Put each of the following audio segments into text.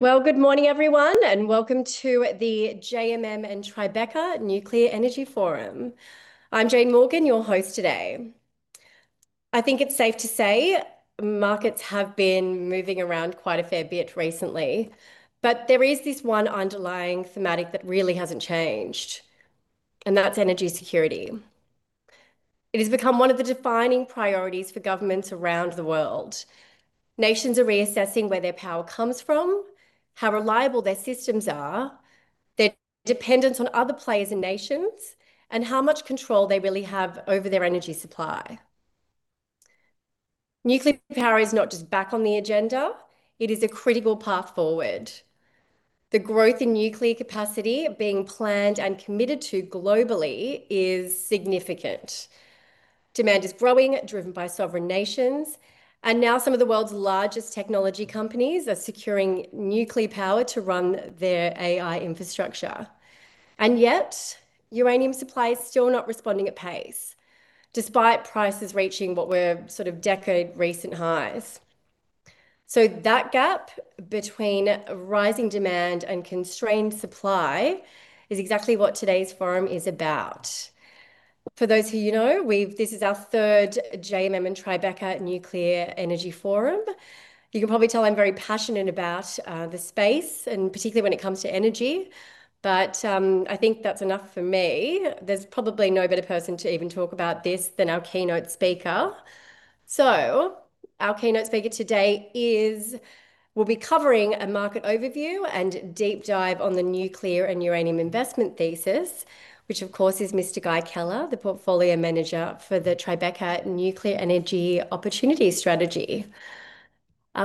Well, good morning everyone, and welcome to the JMM and Tribeca Nuclear Energy Forum. I'm Jane Morgan, your host today. I think it's safe to say markets have been moving around quite a fair bit recently, but there is this one underlying thematic that really hasn't changed, and that's energy security. It has become one of the defining priorities for governments around the world. Nations are reassessing where their power comes from, how reliable their systems are, their dependence on other players and nations, and how much control they really have over their energy supply. Nuclear power is not just back on the agenda, it is a critical path forward. The growth in nuclear capacity being planned and committed to globally is significant. Demand is growing, driven by sovereign nations, and now some of the world's largest technology companies are securing nuclear power to run their AI infrastructure. Yet, uranium supply is still not responding at pace, despite prices reaching what were sort of decade recent highs. That gap between rising demand and constrained supply is exactly what today's forum is about. For those of you who know, this is our third JMM and Tribeca Nuclear Energy Forum. You can probably tell I'm very passionate about, the space and particularly when it comes to energy. I think that's enough from me. There's probably no better person to even talk about this than our keynote speaker. Our keynote speaker today is will be covering a market overview and deep dive on the nuclear and uranium investment thesis, which of course is Mr. Guy Keller, the Portfolio Manager for the Tribeca Nuclear Energy Opportunities Strategy.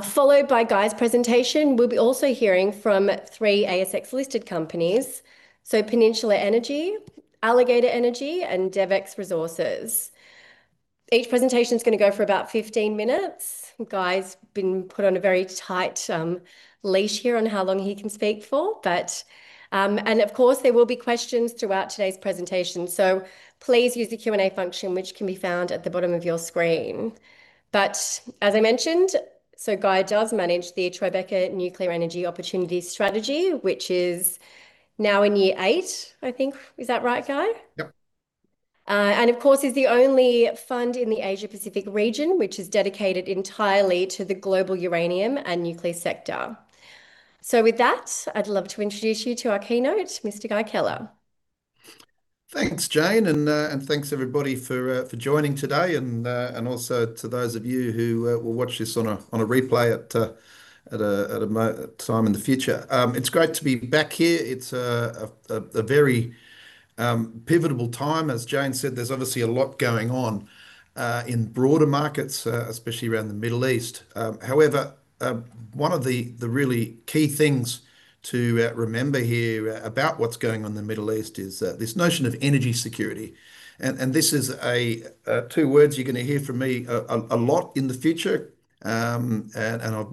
Followed by Guy's presentation, we'll be also hearing from three ASX-listed companies, so Peninsula Energy, Alligator Energy, and DevEx Resources. Each presentation is gonna go for about 15 minutes. Guy's been put on a very tight leash here on how long he can speak for. Of course, there will be questions throughout today's presentation. Please use the Q&A function which can be found at the bottom of your screen. As I mentioned, Guy does manage the Tribeca Nuclear Energy Opportunities Strategy, which is now in year eight, I think. Is that right, Guy? Yep. Is the only fund in the Asia-Pacific region which is dedicated entirely to the global uranium and nuclear sector. With that, I'd love to introduce you to our keynote, Mr. Guy Keller. Thanks, Jane, and thanks everybody for joining today and also to those of you who will watch this on a replay at a time in the future. It's great to be back here. It's a very pivotal time. As Jane said, there's obviously a lot going on in broader markets, especially around the Middle East. However, one of the really key things to remember here about what's going on in the Middle East is this notion of energy security, and this is a two words you're gonna hear from me a lot in the future. I've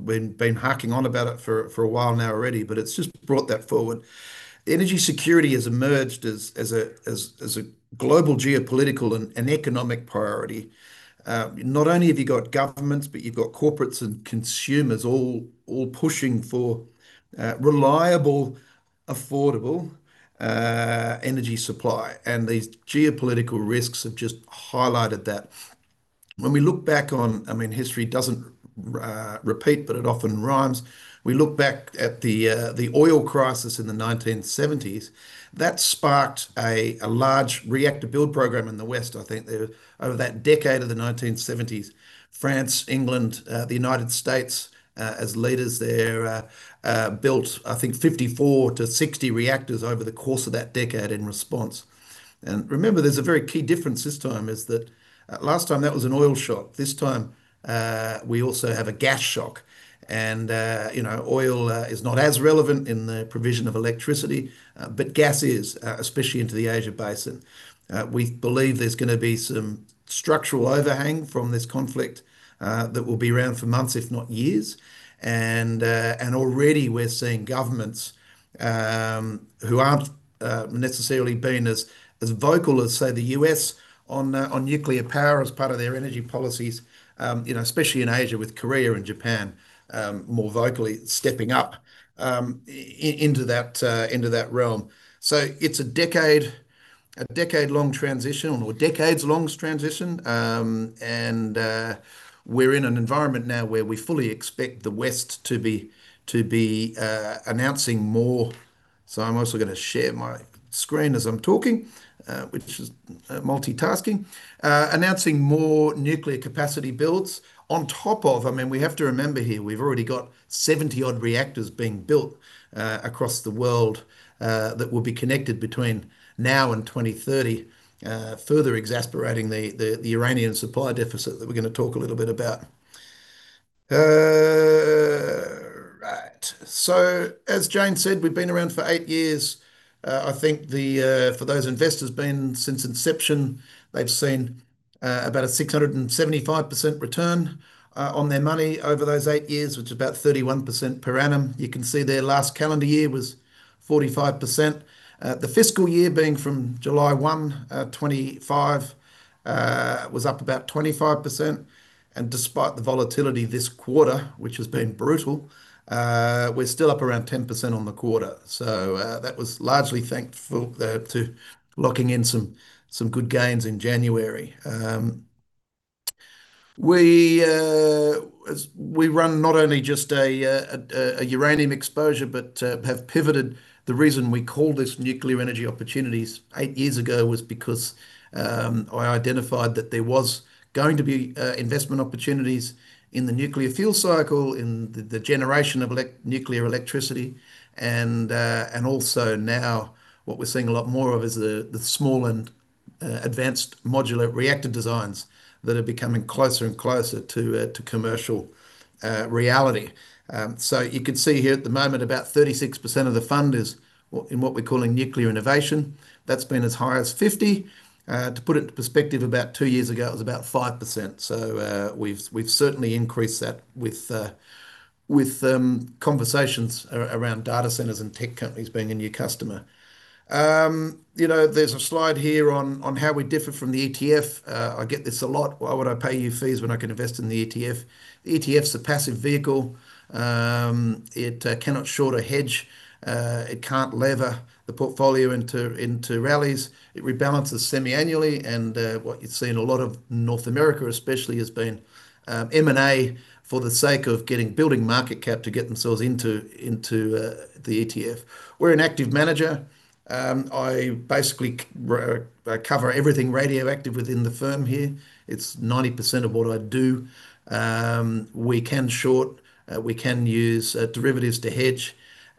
been harking on about it for a while now already, but it's just brought that forward. Energy security has emerged as a global geopolitical and economic priority. Not only have you got governments, but you've got corporates and consumers all pushing for reliable, affordable energy supply, and these geopolitical risks have just highlighted that. When we look back, I mean, history doesn't repeat, but it often rhymes. We look back at the oil crisis in the 1970s. That sparked a large reactor build program in the West, I think. Over that decade of the 1970s, France, England, the United States, as leaders there, built, I think, 54-60 reactors over the course of that decade in response. Remember, there's a very key difference this time is that last time that was an oil shock. This time, we also have a gas shock and, you know, oil is not as relevant in the provision of electricity, but gas is, especially into the Asian basin. We believe there's gonna be some structural overhang from this conflict that will be around for months, if not years, and already we're seeing governments who aren't necessarily being as vocal as, say, the U.S. on nuclear power as part of their energy policies, you know, especially in Asia with Korea and Japan, more vocally stepping up into that realm. It's a decade-long transition or decades-long transition, and we're in an environment now where we fully expect the West to be announcing more. I'm also gonna share my screen as I'm talking, which is multitasking. Announcing more nuclear capacity builds on top of I mean, we have to remember here, we've already got 70-odd reactors being built across the world that will be connected between now and 2030, further exacerbating the uranium supply deficit that we're gonna talk a little bit about. Right. As Jane said, we've been around for eight years. I think for those investors since inception, they've seen about a 675% return on their money over those eight years, which is about 31% per annum. You can see their last calendar year was 45%. The fiscal year being from July 1, 2025 was up about 25%. Despite the volatility this quarter, which has been brutal, we're still up around 10% on the quarter. That was largely thanks to locking in some good gains in January. We run not only just a uranium exposure, but have pivoted. The reason we called this Nuclear Energy Opportunities eight years ago was because I identified that there was going to be investment opportunities in the nuclear fuel cycle, in the generation of nuclear electricity and also now what we're seeing a lot more of is the small and advanced modular reactor designs that are becoming closer and closer to commercial reality. You can see here at the moment about 36% of the fund is in what we're calling nuclear innovation. That's been as high as 50. To put it into perspective, about two years ago it was about 5%. We've certainly increased that with conversations around data centers and tech companies being a new customer. You know, there's a slide here on how we differ from the ETF. I get this a lot. "Why would I pay you fees when I can invest in the ETF?" The ETF's a passive vehicle. It cannot short or hedge. It can't lever the portfolio into rallies. It rebalances semi-annually and what you'd see in a lot of North America especially has been M&A for the sake of building market cap to get themselves into the ETF. We're an active manager. I basically cover everything radioactive within the firm here. It's 90% of what I do. We can short, we can use derivatives to hedge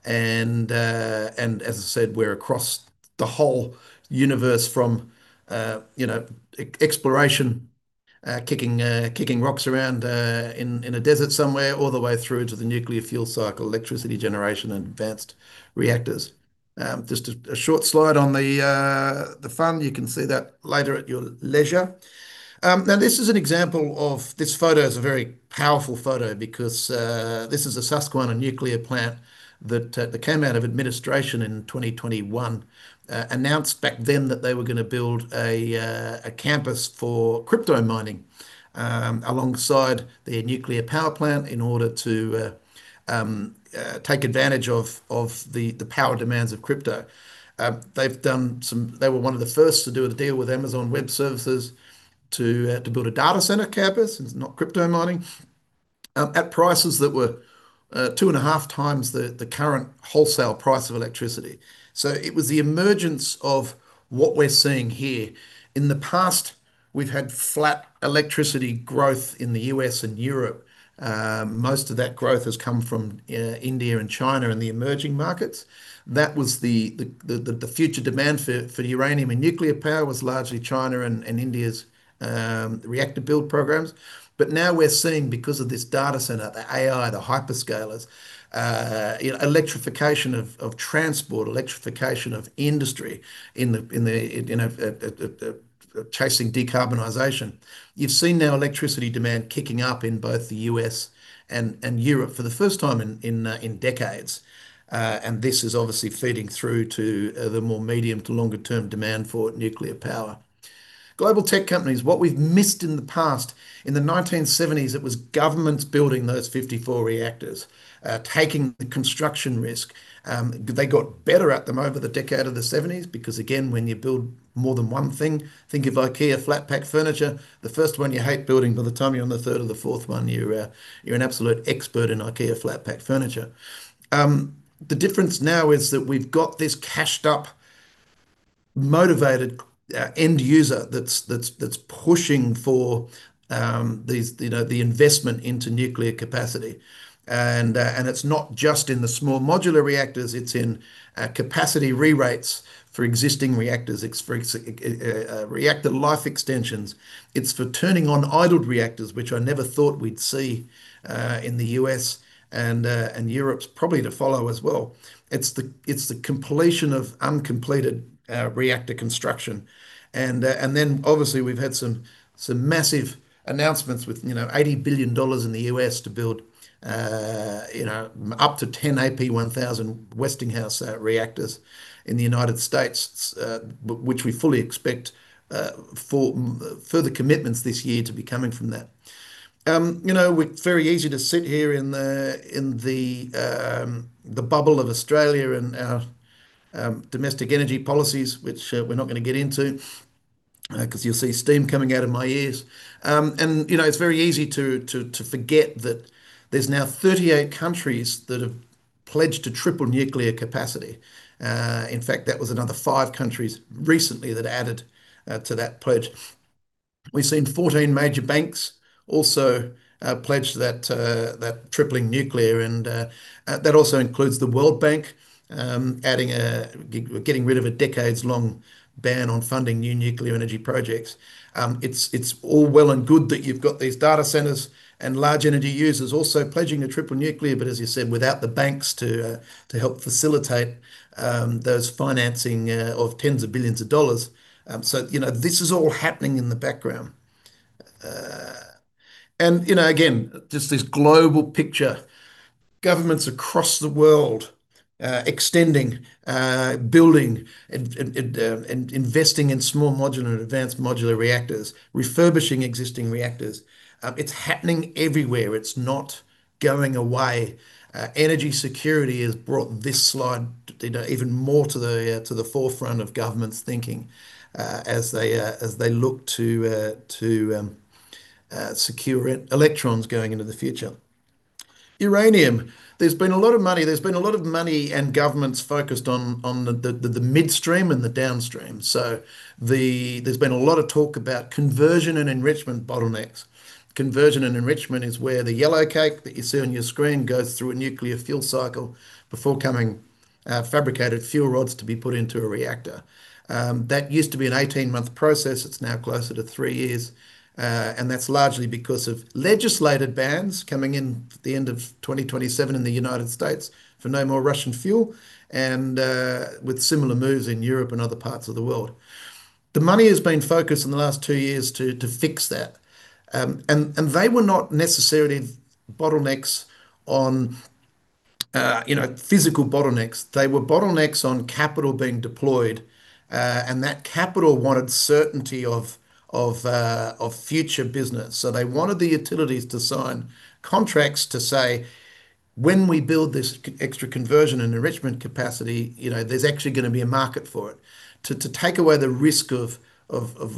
and, as I said, we're across the whole universe from, you know, exploration, kicking rocks around in a desert somewhere, all the way through to the nuclear fuel cycle, electricity generation and advanced reactors. Just a short slide on the fund. You can see that later at your leisure. Now this is an example of. This photo is a very powerful photo because this is the Susquehanna Nuclear Plant that came out of administration in 2021. Announced back then that they were gonna build a campus for crypto mining alongside their nuclear power plant in order to take advantage of the power demands of crypto. They were one of the first to do a deal with Amazon Web Services to build a data center campus, and it's not crypto mining, at prices that were 2.5x the current wholesale price of electricity. It was the emergence of what we're seeing here. In the past, we've had flat electricity growth in the U.S. and Europe. Most of that growth has come from India and China and the emerging markets. That was the future demand for uranium and nuclear power was largely China and India's reactor build programs. But now we're seeing, because of this data center, the AI, the hyperscalers, you know, electrification of transport, electrification of industry in chasing decarbonization. You've seen now electricity demand kicking up in both the U.S. and Europe for the first time in decades. This is obviously feeding through to the more medium to longer term demand for nuclear power. Global tech companies, what we've missed in the past, in the 1970s it was governments building those 54 reactors, taking the construction risk. They got better at them over the decade of the 1970s because, again, when you build more than one thing, think of IKEA flat pack furniture, the first one you hate building, by the time you're on the third or the fourth one, you're an absolute expert in IKEA flat pack furniture. The difference now is that we've got this cashed up, motivated end user that's pushing for these, you know, the investment into nuclear capacity. It's not just in the small modular reactors, it's in capacity re-rates for existing reactors, for reactor life extensions. It's for turning on idled reactors, which I never thought we'd see in the U.S. and Europe's probably to follow as well. It's the completion of uncompleted reactor construction. Then obviously we've had some massive announcements with, you know, $80 billion in the U.S. to build up to 10 AP1000 Westinghouse reactors in the United States, which we fully expect for further commitments this year to be coming from that. You know, it's very easy to sit here in the bubble of Australia and our domestic energy policies, which we're not gonna get into, 'cause you'll see steam coming out of my ears. You know, it's very easy to forget that there's now 38 countries that have pledged to triple nuclear capacity. In fact, that was another five countries recently that added to that pledge. We've seen 14 major banks also pledge that tripling nuclear and that also includes the World Bank adding, getting rid of a decades-long ban on funding new nuclear energy projects. It's all well and good that you've got these data centers and large energy users also pledging to triple nuclear, but as you said, without the banks to help facilitate those financing of tens of billions of dollars. You know, this is all happening in the background. You know, again, just this global picture, governments across the world extending, building and investing in small modular and advanced modular reactors, refurbishing existing reactors. It's happening everywhere. It's not going away. Energy security has brought this slide to, you know, even more to the forefront of governments thinking, as they look to secure electrons going into the future. Uranium, there's been a lot of money and governments focused on the midstream and the downstream. There's been a lot of talk about conversion and enrichment bottlenecks. Conversion and enrichment is where the yellowcake that you see on your screen goes through a nuclear fuel cycle before coming fabricated fuel rods to be put into a reactor. That used to be an 18-month process, it's now closer to three years. That's largely because of legislated bans coming in at the end of 2027 in the United States for no more Russian fuel and with similar moves in Europe and other parts of the world. The money has been focused in the last two years to fix that. They were not necessarily bottlenecks on physical bottlenecks. They were bottlenecks on capital being deployed, and that capital wanted certainty of future business. They wanted the utilities to sign contracts to say, "When we build this extra conversion and enrichment capacity, you know, there's actually gonna be a market for it," to take away the risk of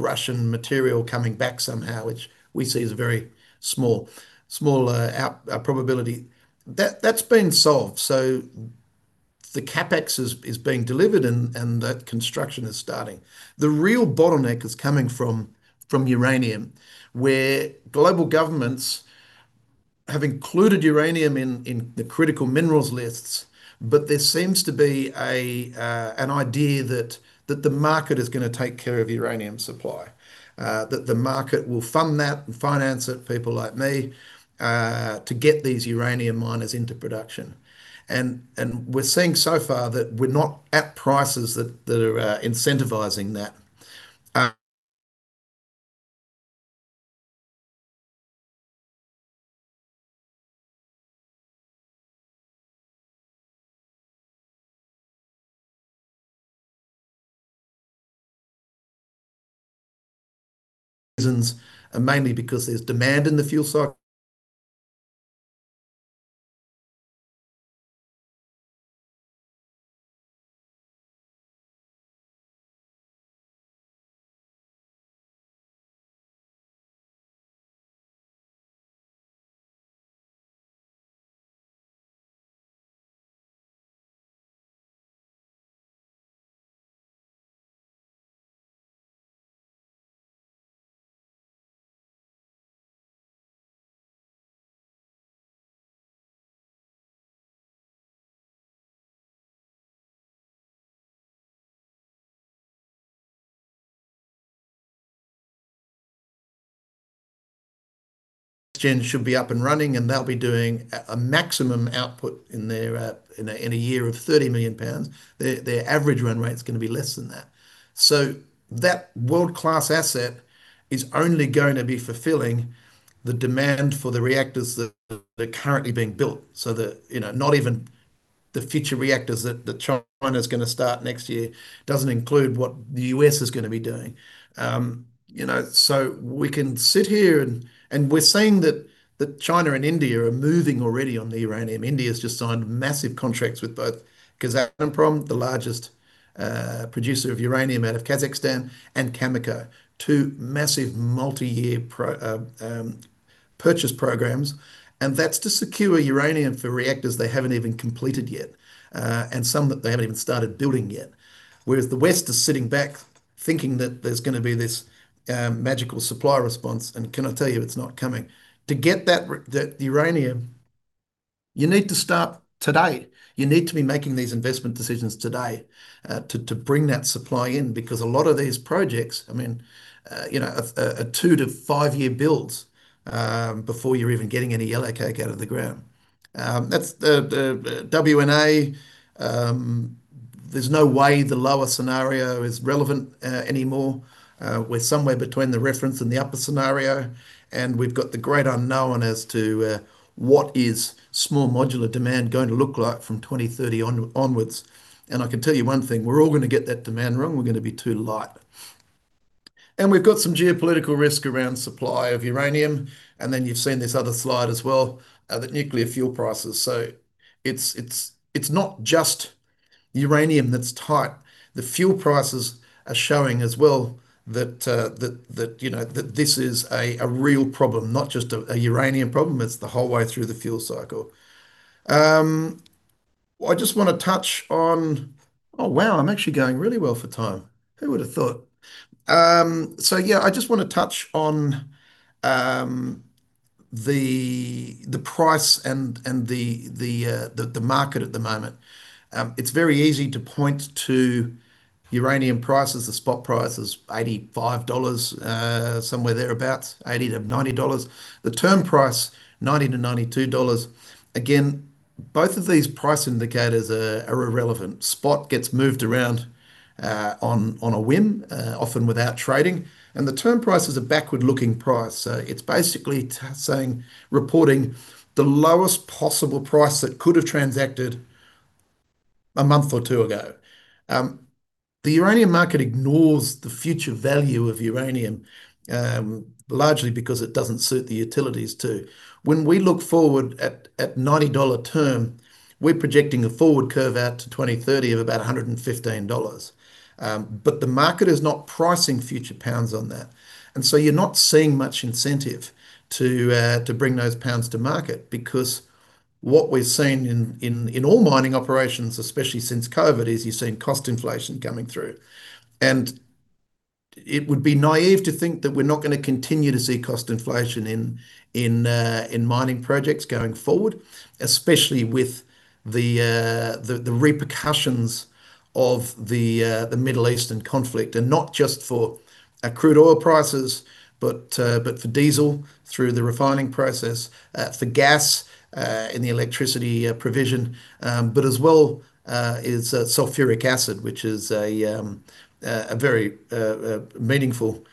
Russian material coming back somehow, which we see as a very small probability. That's been solved, so the CapEx is being delivered and that construction is starting. The real bottleneck is coming from uranium, where global governments have included uranium in the critical minerals lists. There seems to be an idea that the market is gonna take care of uranium supply. That the market will fund that and finance it, people like me, to get these uranium miners into production. We're seeing so far that we're not at prices that are incentivizing that. Mainly because there's demand in the fuel cycle should be up and running, and they'll be doing a maximum output in a year of 30 million lbs. Their average run rate's gonna be less than that. That world-class asset is only going to be fulfilling the demand for the reactors that are currently being built. You know, not even the future reactors that China's gonna start next year doesn't include what the U.S. is gonna be doing. You know, we can sit here and we're seeing that China and India are moving already on the uranium. India's just signed massive contracts with both Kazatomprom, the largest producer of uranium out of Kazakhstan, and Cameco, two massive multi-year purchase programs. That's to secure uranium for reactors they haven't even completed yet, and some that they haven't even started building yet. Whereas the West is sitting back thinking that there's gonna be this magical supply response and can I tell you, it's not coming. To get that uranium, you need to start today. You need to be making these investment decisions today, to bring that supply in because a lot of these projects, I mean, you know, a two to five year build before you're even getting any yellowcake out of the ground. That's the WNA, there's no way the lower scenario is relevant anymore. We're somewhere between the reference and the upper scenario, and we've got the great unknown as to what is small modular demand going to look like from 2030 onwards. I can tell you one thing, we're all gonna get that demand wrong, we're gonna be too light. We've got some geopolitical risk around supply of uranium, and then you've seen this other slide as well, the nuclear fuel prices. It's not just uranium that's tight. The fuel prices are showing as well that, you know, that this is a real problem. Not just a uranium problem, it's the whole way through the fuel cycle. I just wanna touch on—Oh, wow, I'm actually going really well for time. Who would've thought? So yeah, I just wanna touch on the price and the market at the moment. It's very easy to point to uranium prices. The spot price is $85, somewhere thereabout, $80-$90. The term price, $90-$92. Both of these price indicators are irrelevant. Spot gets moved around on a whim, often without trading, and the term price is a backward-looking price. So it's basically saying... Reporting the lowest possible price that could have transacted a month or two ago. The uranium market ignores the future value of uranium, largely because it doesn't suit the utilities to. When we look forward at $90 term, we're projecting a forward curve out to 2030 of about $115. But the market is not pricing future pounds on that, and so you're not seeing much incentive to bring those pounds to market because what we're seeing in all mining operations, especially since COVID, is you're seeing cost inflation coming through. It would be naive to think that we're not gonna continue to see cost inflation in mining projects going forward, especially with the repercussions of the Middle Eastern conflict. Not just for crude oil prices, but for diesel through the refining process, for gas, in the electricity provision, but as well is sulfuric acid, which is a very meaningful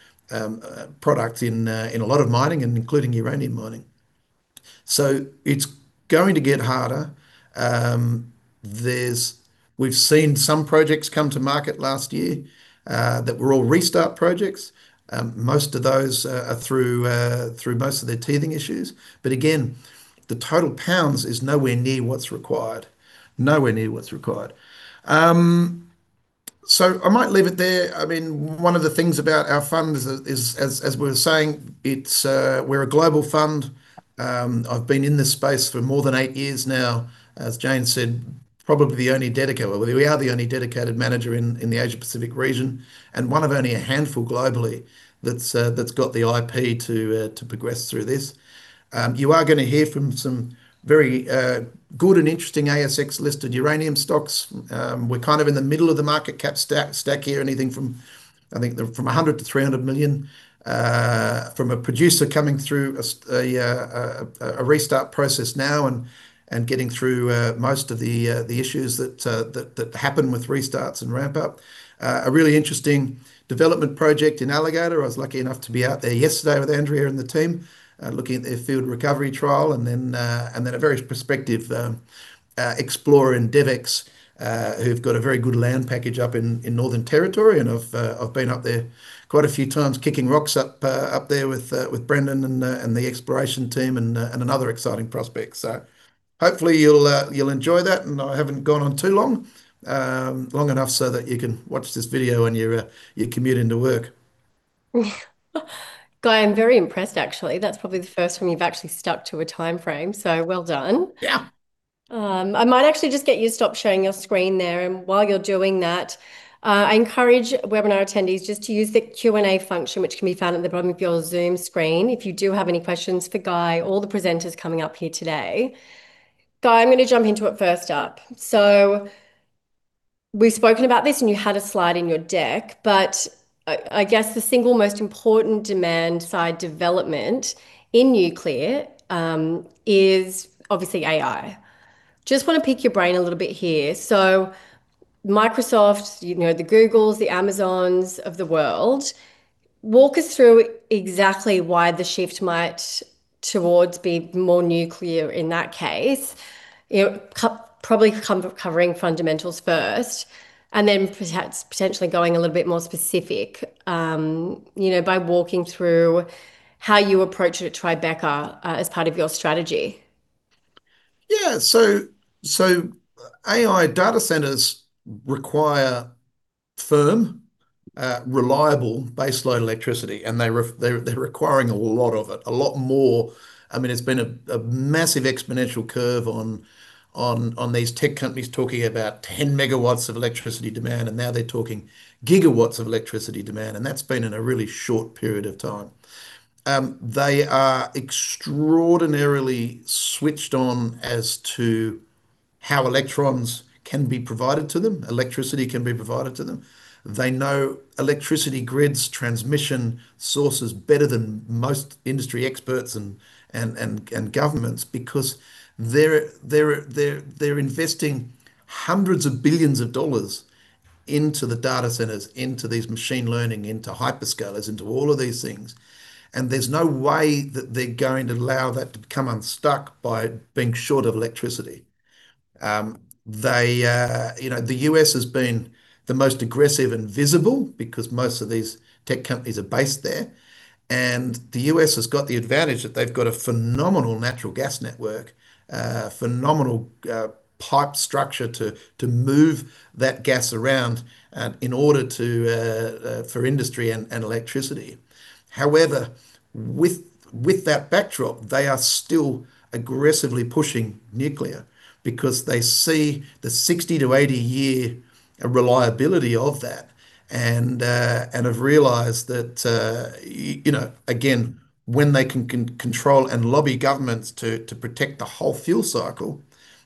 product in a lot of mining and including uranium mining. It's going to get harder. We've seen some projects come to market last year that were all restart projects. Most of those are through most of their teething issues. Again, the total pounds is nowhere near what's required. I might leave it there. I mean, one of the things about our fund is, as we're saying, it's we're a global fund. I've been in this space for more than eight years now. As Jane said, probably the only dedicated. Well, we are the only dedicated manager in the Asia-Pacific region, and one of only a handful globally that's got the IP to progress through this. You are gonna hear from some very good and interesting ASX-listed uranium stocks. We're kind of in the middle of the market cap stack here, anything from, I think, 100 million-300 million, from a producer coming through a restart process now and getting through most of the issues that happen with restarts and ramp up. A really interesting development project in Alligator. I was lucky enough to be out there yesterday with Andrea and the team, looking at their field recovery trial and then a very prospective explorer in DevEx, who've got a very good land package up in Northern Territory. I've been up there quite a few times kicking rocks up there with Brendan and the exploration team and another exciting prospect. Hopefully you'll enjoy that, and I haven't gone on too long. Long enough so that you can watch this video on your commute into work. Guy, I'm very impressed actually. That's probably the first time you've actually stuck to a timeframe, so well done. Yeah. I might actually just get you to stop sharing your screen there, and while you're doing that, I encourage webinar attendees just to use the Q&A function, which can be found at the bottom of your Zoom screen, if you do have any questions for Guy or the presenters coming up here today. Guy, I'm gonna jump into it first up. We've spoken about this and you had a slide in your deck, but I guess the single most important demand-side development in nuclear is obviously AI. Just wanna pick your brain a little bit here. Microsoft, you know, the Googles, the Amazons of the world, walk us through exactly why the shift might be towards more nuclear in that case. You know, probably covering fundamentals first, and then perhaps potentially going a little bit more specific, you know, by walking through how you approach it at Tribeca, as part of your strategy. Yeah. AI data centers require firm, reliable baseline electricity, and they're requiring a lot of it. A lot more. I mean, it's been a massive exponential curve on these tech companies talking about 10 MW of electricity demand, and now they're talking gigawatts of electricity demand, and that's been in a really short period of time. They are extraordinarily switched on as to how electrons can be provided to them, electricity can be provided to them. They know electricity grids, transmission sources better than most industry experts and governments because they're investing hundreds of billions of dollars into the data centers, into these machine learning, into hyperscalers, into all of these things, and there's no way that they're going to allow that to come unstuck by being short of electricity. You know, the U.S. has been the most aggressive and visible because most of these tech companies are based there, and the U.S. has got the advantage that they've got a phenomenal natural gas network, phenomenal pipe structure to move that gas around in order to for industry and electricity. However, with that backdrop, they are still aggressively pushing nuclear because they see the 60-80 year reliability of that and have realized that you know, again, when they can control and lobby governments to protect the whole fuel cycle,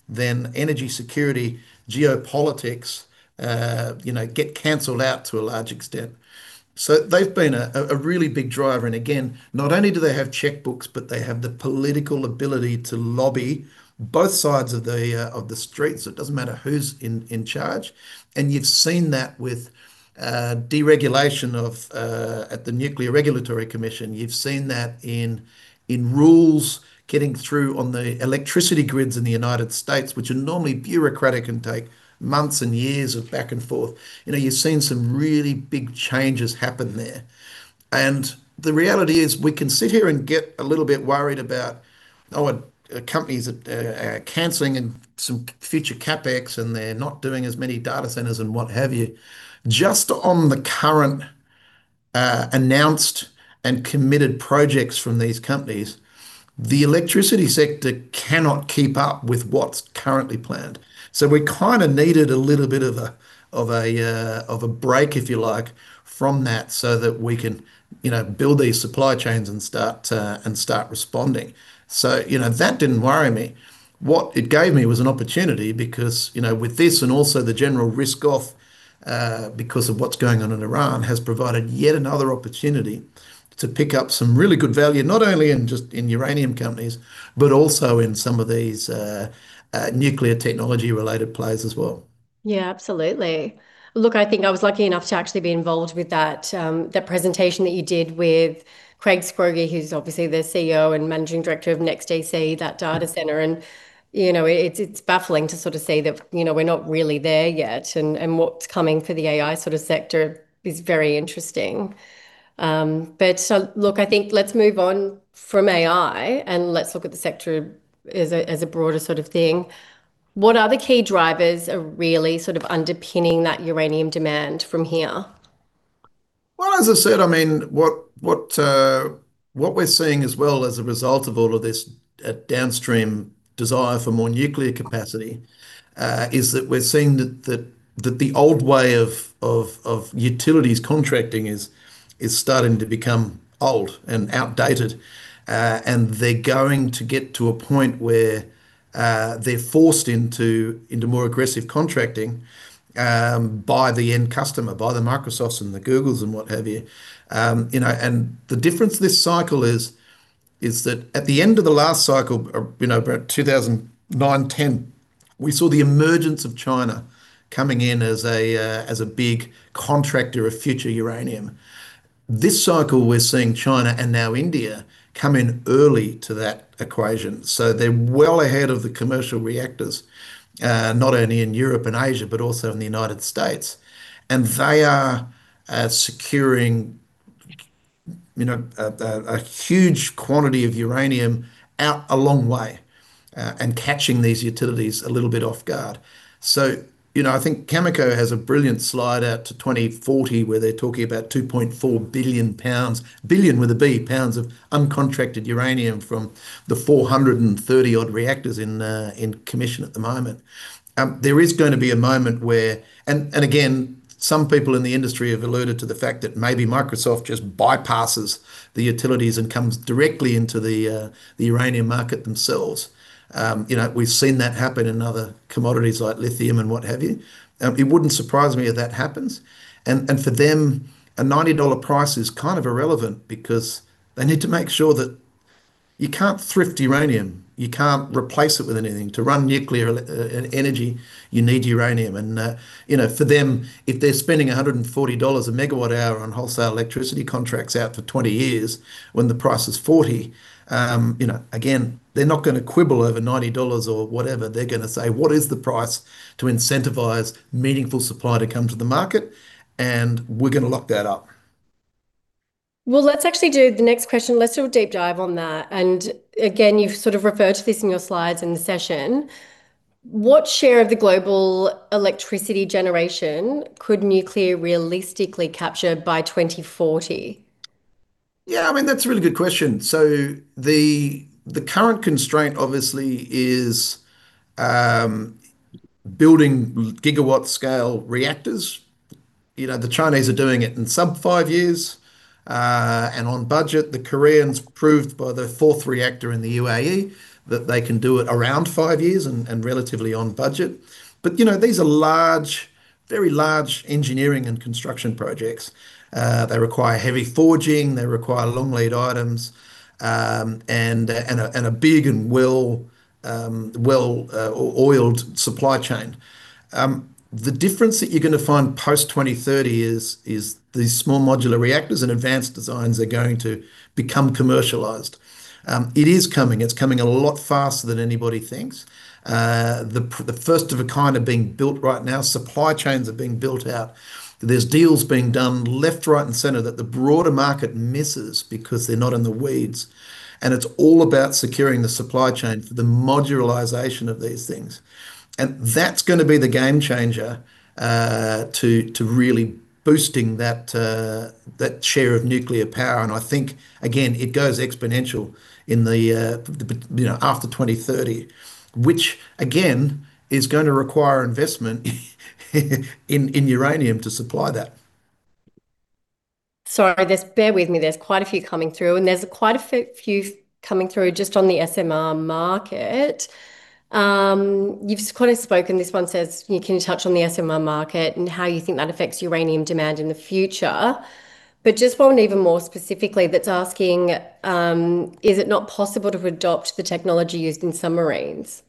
then energy security, geopolitics you know, get canceled out to a large extent. They've been a really big driver and again, not only do they have checkbooks, but they have the political ability to lobby both sides of the street, so it doesn't matter who's in charge. You've seen that with deregulation at the Nuclear Regulatory Commission. You've seen that in rules getting through on the electricity grids in the United States, which are normally bureaucratic and take months and years of back and forth. You know, you've seen some really big changes happen there. The reality is we can sit here and get a little bit worried about, oh, a company's canceling and some future CapEx and they're not doing as many data centers and what have you. Just on the current announced and committed projects from these companies, the electricity sector cannot keep up with what's currently planned. We kind of needed a little bit of a break, if you like, from that so that we can, you know, build these supply chains and start responding. You know, that didn't worry me. What it gave me was an opportunity because, you know, with this and also the general risk-off because of what's going on in Iran, has provided yet another opportunity to pick up some really good value, not only in uranium companies, but also in some of these nuclear technology-related plays as well. Yeah, absolutely. Look, I think I was lucky enough to actually be involved with that presentation that you did with Craig Scroggie, who's obviously the CEO and Managing Director of NEXTDC, that data center, and, you know, it's baffling to sort of see that, you know, we're not really there yet and what's coming for the AI sort of sector is very interesting. Look, I think let's move on from AI, and let's look at the sector as a broader sort of thing. What other key drivers are really sort of underpinning that uranium demand from here? Well, as I said, I mean, what we're seeing as well as a result of all of this, downstream desire for more nuclear capacity, is that we're seeing that the old way of utilities contracting is starting to become old and outdated. They're going to get to a point where they're forced into more aggressive contracting by the end customer, by the Microsofts and the Googles and what have you. You know, the difference this cycle is that at the end of the last cycle, you know, about 2009, 2010, we saw the emergence of China coming in as a big contractor of future uranium. This cycle, we're seeing China and now India come in early to that equation. They're well ahead of the commercial reactors, not only in Europe and Asia, but also in the United States, and they are securing, you know, a huge quantity of uranium out a long way, and catching these utilities a little bit off guard. You know, I think Cameco has a brilliant slide out to 2040 where they're talking about 2.4 billion lbs, billion with a B, pounds of uncontracted uranium from the 430-odd reactors in commission at the moment. There is gonna be a moment where some people in the industry have alluded to the fact that maybe Microsoft just bypasses the utilities and comes directly into the uranium market themselves. You know, we've seen that happen in other commodities like lithium and what have you. It wouldn't surprise me if that happens. For them, a $90 price is kind of irrelevant because they need to make sure that you can't thrift uranium. You can't replace it with anything. To run nuclear energy, you need uranium. You know, for them, if they're spending $140 a MWh on wholesale electricity contracts out for 20 years when the price is $40, you know, again, they're not gonna quibble over $90 or whatever. They're gonna say, "What is the price to incentivize meaningful supply to come to the market?" We're gonna lock that up. Well, let's actually do the next question. Let's do a deep dive on that. Again, you've sort of referred to this in your slides in the session. What share of the global electricity generation could nuclear realistically capture by 2040? I mean, that's a really good question. The current constraint obviously is building gigawatt-scale reactors. You know, the Chinese are doing it in sub-five years and on budget. The Koreans proved by the fourth reactor in the UAE that they can do it around five years and relatively on budget. You know, these are large, very large engineering and construction projects. They require heavy forging. They require long lead items and a big and well-oiled supply chain. The difference that you're gonna find post-2030 is these small modular reactors and advanced designs are going to become commercialized. It is coming. It's coming a lot faster than anybody thinks. The first-of-a-kind are being built right now. Supply chains are being built out. There's deals being done left, right, and center that the broader market misses because they're not in the weeds, and it's all about securing the supply chain for the modularization of these things. That's gonna be the game changer to really boosting that share of nuclear power. I think again, it goes exponential in the you know after 2030, which again is gonna require investment in uranium to supply that. Sorry, bear with me, there's quite a few coming through, and there's quite a few coming through just on the SMR market. You've kind of spoken, this one says, "Can you touch on the SMR market and how you think that affects uranium demand in the future?" But just one even more specifically that's asking, "Is it not possible to adopt the technology used in submarines?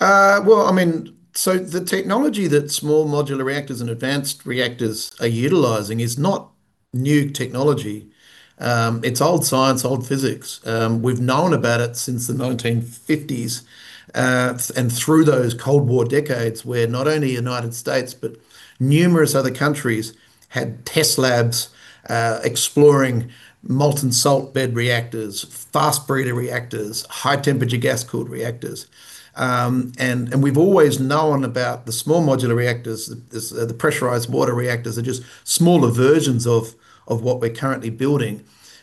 Well, I mean, the technology that small modular reactors and advanced reactors are utilizing is not new technology. It's old science, old physics. We've known about it since the 1950s and through those Cold War decades where not only United States but numerous other countries had test labs exploring molten salt reactors, fast breeder reactors, high-temperature gas-cooled reactors. We've always known about the small modular reactors. The pressurized water reactors are just smaller versions of what we're currently building.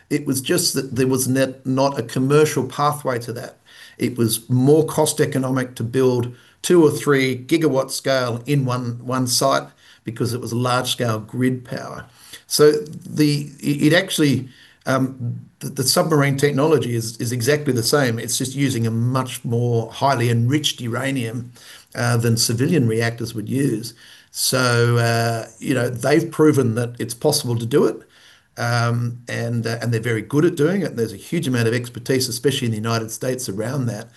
It was just that there was not a commercial pathway to that. It was more economical to build 2 GW or 3 GW scale in one site because it was a large-scale grid power. Actually, the submarine technology is exactly the same. It's just using a much more highly enriched uranium than civilian reactors would use. You know, they've proven that it's possible to do it, and they're very good at doing it. There's a huge amount of expertise, especially in the United States around that.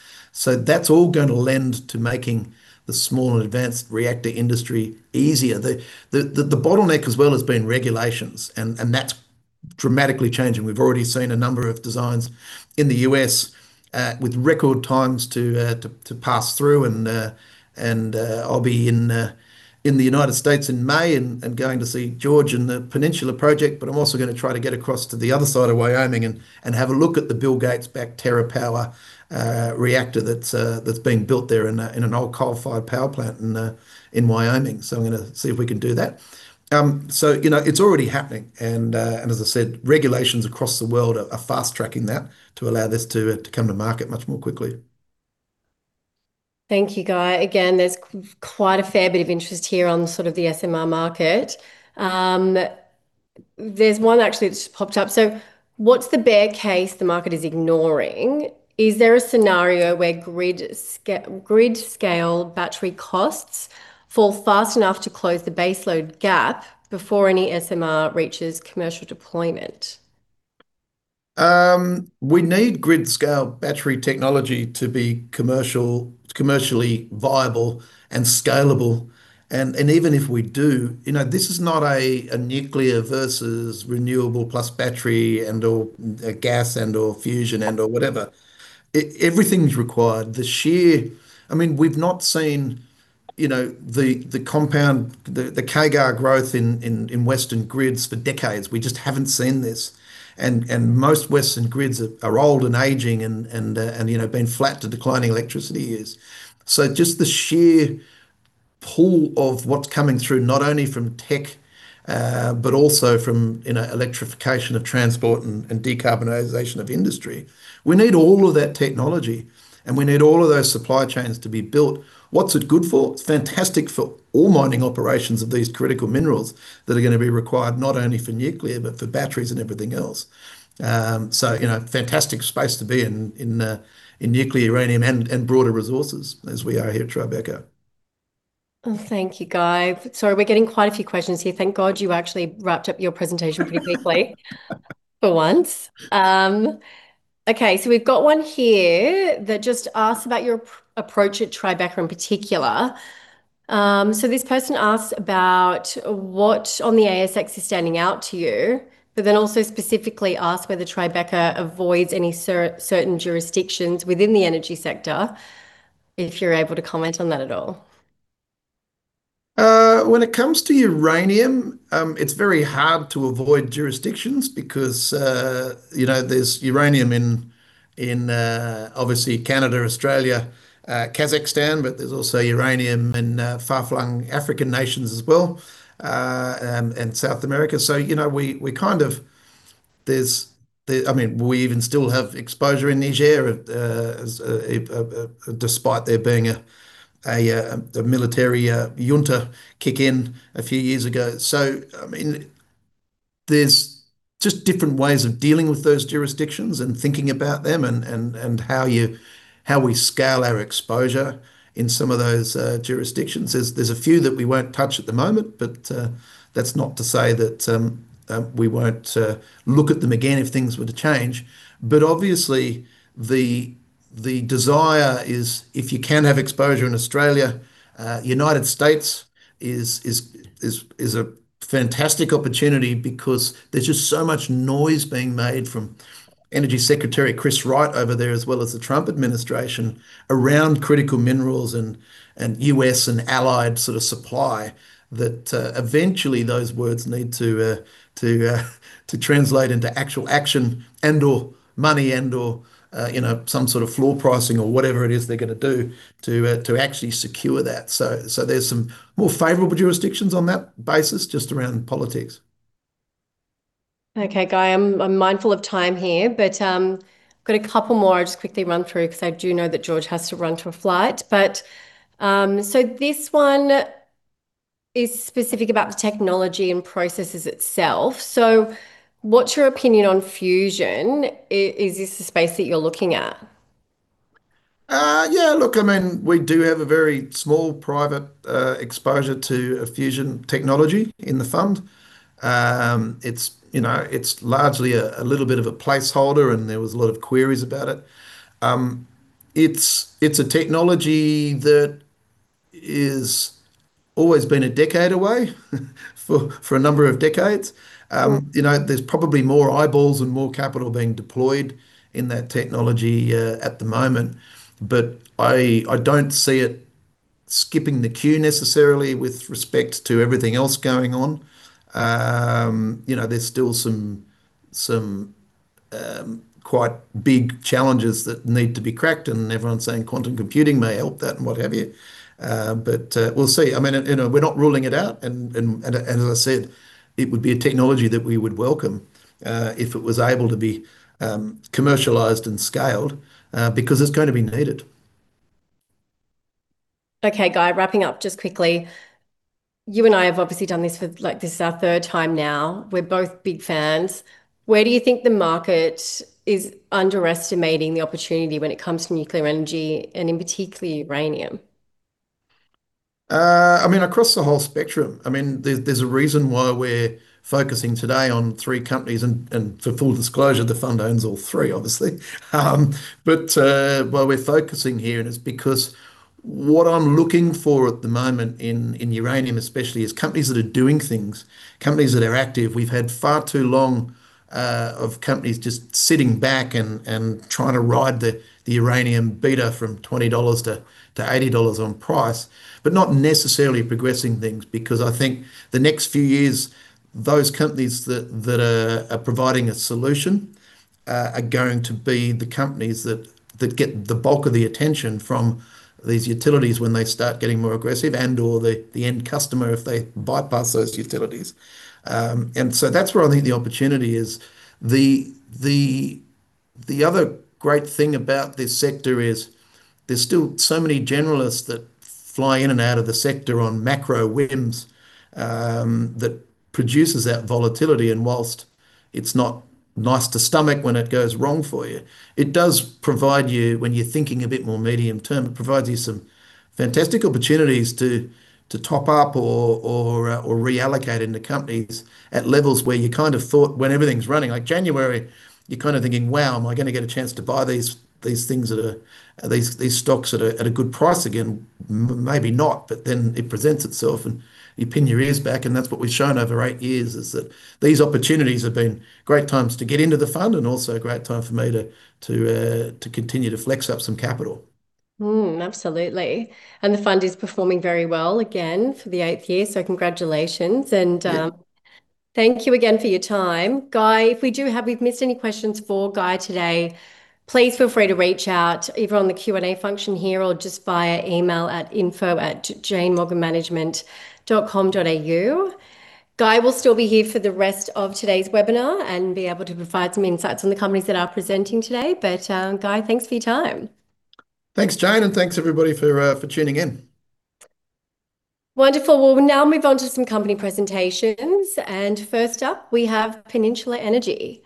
That's all gonna lend to making the small and advanced reactor industry easier. The bottleneck as well has been regulations and that's dramatically changing. We've already seen a number of designs in the U.S., with record times to pass through. I'll be in the United States in May and going to see George in the Peninsula Project, but I'm also gonna try to get across to the other side of Wyoming and have a look at the Bill Gates backed TerraPower reactor that's being built there in an old coal-fired power plant in Wyoming. I'm gonna see if we can do that. You know, it's already happening and as I said, regulations across the world are fast tracking that to allow this to come to market much more quickly. Thank you, Guy. Again, there's quite a fair bit of interest here on sort of the SMR market. There's one actually that's just popped up. What's the bear case the market is ignoring? Is there a scenario where grid scale battery costs fall fast enough to close the base load gap before any SMR reaches commercial deployment? We need grid scale battery technology to be commercial, commercially viable and scalable and even if we do, you know, this is not a nuclear versus renewable plus battery and/or gas and/or fusion and/or whatever. Everything's required. I mean, we've not seen, you know, the compound CAGR growth in Western grids for decades. We just haven't seen this and most Western grids are old and aging and you know, been flat to declining electricity years. So just the sheer pull of what's coming through, not only from tech, but also from, you know, electrification of transport and decarbonization of industry. We need all of that technology, and we need all of those supply chains to be built. What's it good for? It's fantastic for all mining operations of these critical minerals that are gonna be required not only for nuclear, but for batteries and everything else. You know, fantastic space to be in nuclear uranium and broader resources as we are here at Tribeca. Thank you, Guy. Sorry, we're getting quite a few questions here. Thank God you actually wrapped up your presentation pretty quickly for once. We've got one here that just asks about your approach at Tribeca in particular. This person asks about what on the ASX is standing out to you, but then also specifically asks whether Tribeca avoids any certain jurisdictions within the energy sector, if you're able to comment on that at all. When it comes to uranium, it's very hard to avoid jurisdictions because, you know, there's uranium in, obviously, Canada, Australia, Kazakhstan, but there's also uranium in far-flung African nations as well, and South America. So, you know, we kind of, I mean, we even still have exposure in Niger, despite there being a military junta coup in a few years ago. So I mean, there's just different ways of dealing with those jurisdictions and thinking about them and how we scale our exposure in some of those jurisdictions. There's a few that we won't touch at the moment, but that's not to say that we won't look at them again if things were to change. Obviously the desire is if you can have exposure in Australia, United States is a fantastic opportunity because there's just so much noise being made from Energy Secretary Chris Wright over there, as well as the Trump administration around critical minerals and U.S. and allied sort of supply that eventually those words need to translate into actual action and/or money and/or you know some sort of floor pricing or whatever it is they're gonna do to actually secure that. There's some more favorable jurisdictions on that basis, just around politics. Okay, Guy, I'm mindful of time here, but got a couple more I'll just quickly run through because I do know that George has to run to a flight. This one is specific about the technology and processes itself. What's your opinion on fusion? Is this the space that you're looking at? Yeah, look, I mean, we do have a very small private exposure to a fusion technology in the fund. It's, you know, it's largely a little bit of a placeholder, and there was a lot of queries about it. It's a technology that is always been a decade away for a number of decades. Mm. You know, there's probably more eyeballs and more capital being deployed in that technology at the moment. I don't see it skipping the queue necessarily with respect to everything else going on. You know, there's still some quite big challenges that need to be cracked and everyone's saying quantum computing may help that and what have you. We'll see. I mean, you know, we're not ruling it out. As I said, it would be a technology that we would welcome if it was able to be commercialized and scaled because it's gonna be needed. Okay, Guy, wrapping up just quickly. You and I have obviously done this for, like, this is our third time now. We're both big fans. Where do you think the market is underestimating the opportunity when it comes to nuclear energy and in particular uranium? I mean, across the whole spectrum. I mean, there's a reason why we're focusing today on three companies and for full disclosure, the fund owns all three, obviously. Why we're focusing here and it's because what I'm looking for at the moment in uranium especially is companies that are doing things, companies that are active. We've had far too long of companies just sitting back and trying to ride the uranium beta from $20 to $80 on price, but not necessarily progressing things because I think the next few years, those companies that are providing a solution are going to be the companies that get the bulk of the attention from these utilities when they start getting more aggressive and/or the end customer if they bypass those utilities. That's where I think the opportunity is. The other great thing about this sector is there's still so many generalists that fly in and out of the sector on macro whims that produces that volatility. While it's not nice to stomach when it goes wrong for you, it does provide you, when you're thinking a bit more medium term, it provides you some fantastic opportunities to top up or reallocate into companies at levels where you kind of thought when everything's running. Like January, you're kind of thinking, "Wow, am I gonna get a chance to buy these things that are these stocks at a good price again?" Maybe not, but then it presents itself and you pin your ears back, and that's what we've shown over eight years is that these opportunities have been great times to get into the fund and also a great time for me to continue to flex up some capital. Absolutely. The fund is performing very well again for the eighth year, so congratulations. Yeah Thank you again for your time. Guy, if we've missed any questions for Guy today, please feel free to reach out either on the Q&A function here or just via email at info@janemorganmanagement.com.au. Guy will still be here for the rest of today's webinar and be able to provide some insights on the companies that are presenting today. Guy, thanks for your time. Thanks, Jane, and thanks everybody for tuning in. Wonderful. We'll now move on to some company presentations. First up, we have Peninsula Energy.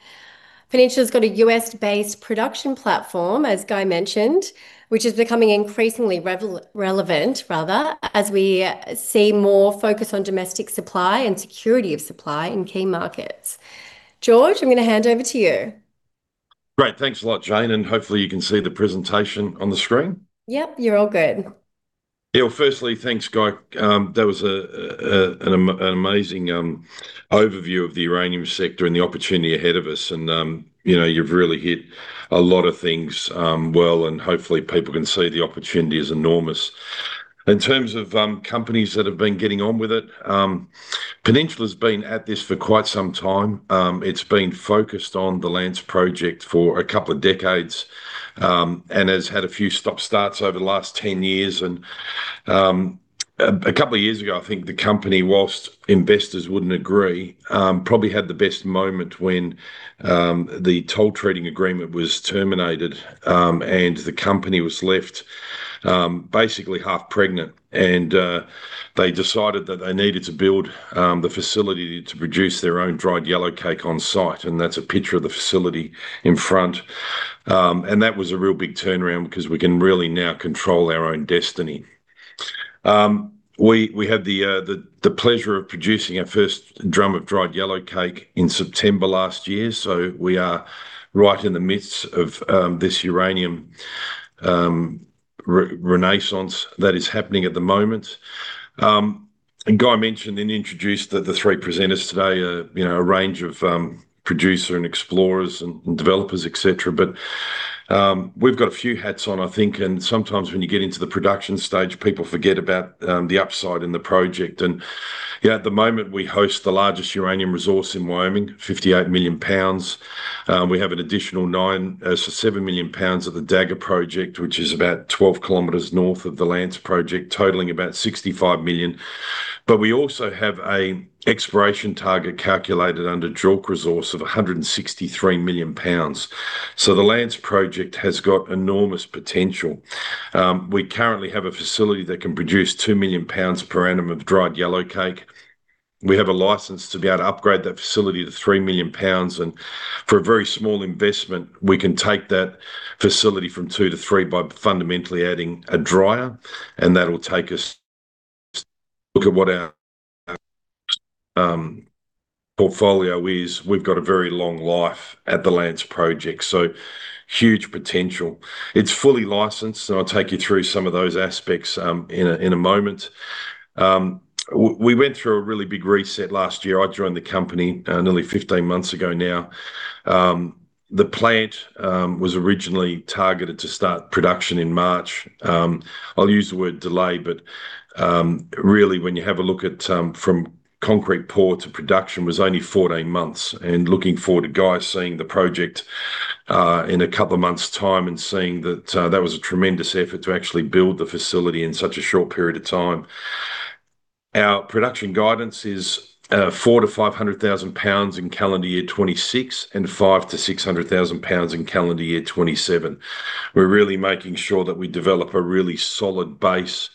Peninsula's got a U.S.-based production platform, as Guy mentioned, which is becoming increasingly relevant rather as we see more focus on domestic supply and security of supply in key markets. George, I'm gonna hand over to you. Great. Thanks a lot, Jane, and hopefully you can see the presentation on the screen. Yep, you're all good. Yeah, well, firstly, thanks, Guy. That was an amazing overview of the uranium sector and the opportunity ahead of us and, you know, you've really hit a lot of things well, and hopefully people can see the opportunity is enormous. In terms of companies that have been getting on with it, Peninsula's been at this for quite some time. It's been focused on the Lance Project for a couple of decades and has had a few stop-starts over the last 10 years. A couple of years ago, I think the company, while investors wouldn't agree, probably had the best moment when the toll treating agreement was terminated, and the company was left basically half pregnant and they decided that they needed to build the facility to produce their own dried yellowcake on site, and that's a picture of the facility in front. That was a real big turnaround because we can really now control our own destiny. We had the pleasure of producing our first drum of dried yellowcake in September last year, so we are right in the midst of this uranium renaissance that is happening at the moment. Guy mentioned and introduced the three presenters today, you know, a range of producer and explorers and developers, et cetera. We've got a few hats on, I think, and sometimes when you get into the production stage, people forget about the upside in the project. You know, at the moment, we host the largest uranium resource in Wyoming, 58 million lbs. We have an additional 9.7 million lbs of the Dagger Project, which is about 12 km north of the Lance project, totaling about 65 million. We also have an exploration target calculated under JORC resource of 163 million pounds. The Lance project has got enormous potential. We currently have a facility that can produce 2 million lbs per annum of dried yellowcake. We have a license to be able to upgrade that facility to 3 million lbs. For a very small investment, we can take that facility from two to three by fundamentally adding a dryer, and that'll take us. Look at what our portfolio is. We've got a very long life at the Lance Project, so huge potential. It's fully licensed, and I'll take you through some of those aspects in a moment. We went through a really big reset last year. I joined the company nearly 15 months ago now. The plant was originally targeted to start production in March. I'll use the word delay, but really when you have a look at from concrete pour to production was only 14 months. Looking forward to Guy seeing the project in a couple of months' time and seeing that was a tremendous effort to actually build the facility in such a short period of time. Our production guidance is 400,000 lbs-500,000 lbs in calendar year 2026 and 500,000 lbs-600,000 lbs pounds in calendar year 2027. We're really making sure that we develop a really solid base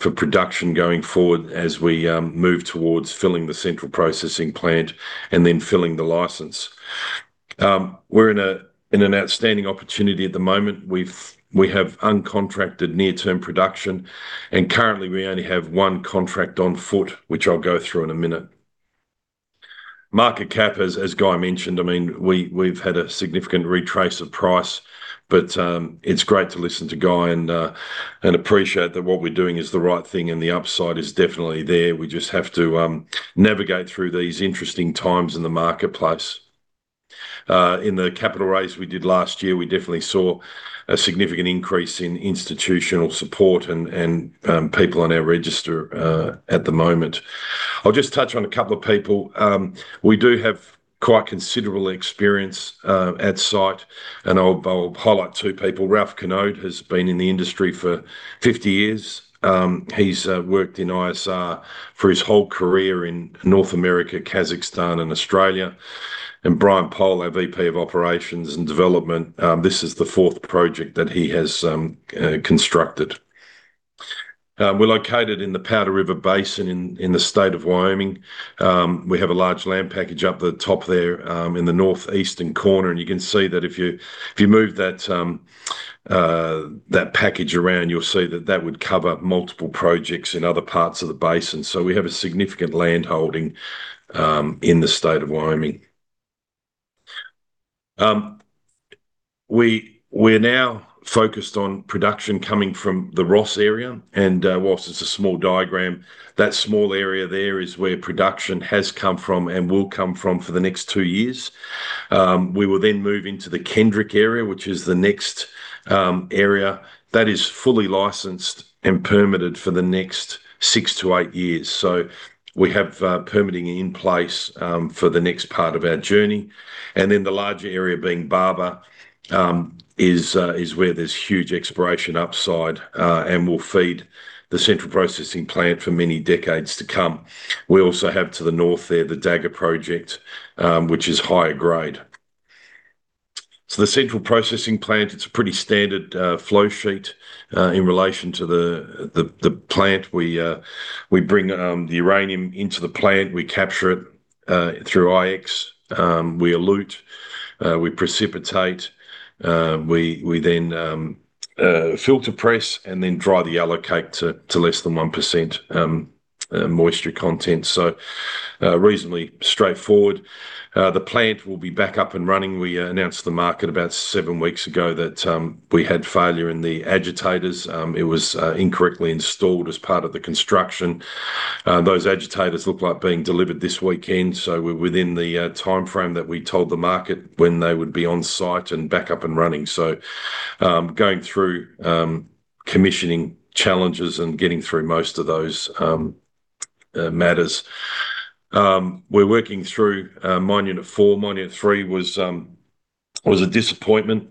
for production going forward as we move towards filling the central processing plant and then filling the license. We're in an outstanding opportunity at the moment. We have uncontracted near-term production, and currently, we only have one contract on foot, which I'll go through in a minute. Market cap, as Guy mentioned, I mean, we've had a significant retrace of price, but it's great to listen to Guy and appreciate that what we're doing is the right thing and the upside is definitely there. We just have to navigate through these interesting times in the marketplace. In the capital raise we did last year, we definitely saw a significant increase in institutional support and people on our register at the moment. I'll just touch on a couple of people. We do have quite considerable experience at site, and I'll highlight two people. Ralph Knode has been in the industry for 50 years. He's worked in ISR for his whole career in North America, Kazakhstan and Australia. Brian Pohl, our VP of Operations and Development, this is the fourth project that he has constructed. We're located in the Powder River Basin in the state of Wyoming. We have a large land package up the top there in the northeastern corner. You can see that if you move that package around, you'll see that that would cover multiple projects in other parts of the basin. We have a significant land holding in the state of Wyoming. We're now focused on production coming from the Ross area. While it's a small diagram, that small area there is where production has come from and will come from for the next two years. We will then move into the Kendrick area, which is the next area. That is fully licensed and permitted for the next six-eight years. We have permitting in place for the next part of our journey. The larger area being Barber is where there's huge exploration upside and will feed the central processing plant for many decades to come. We also have to the north there the Dagger project which is higher grade. The central processing plant it's a pretty standard flow sheet in relation to the plant. We bring the uranium into the plant. We capture it through IX. We elute we precipitate we then filter press and then dry the yellowcake to less than 1% moisture content. Reasonably straightforward. The plant will be back up and running. We announced to the market about seven weeks ago that we had failure in the agitators. It was incorrectly installed as part of the construction. Those agitators look like being delivered this weekend, so we're within the timeframe that we told the market when they would be on site and back up and running. Going through commissioning challenges and getting through most of those matters. We're working through mine unit four. Mine unit three was a disappointment.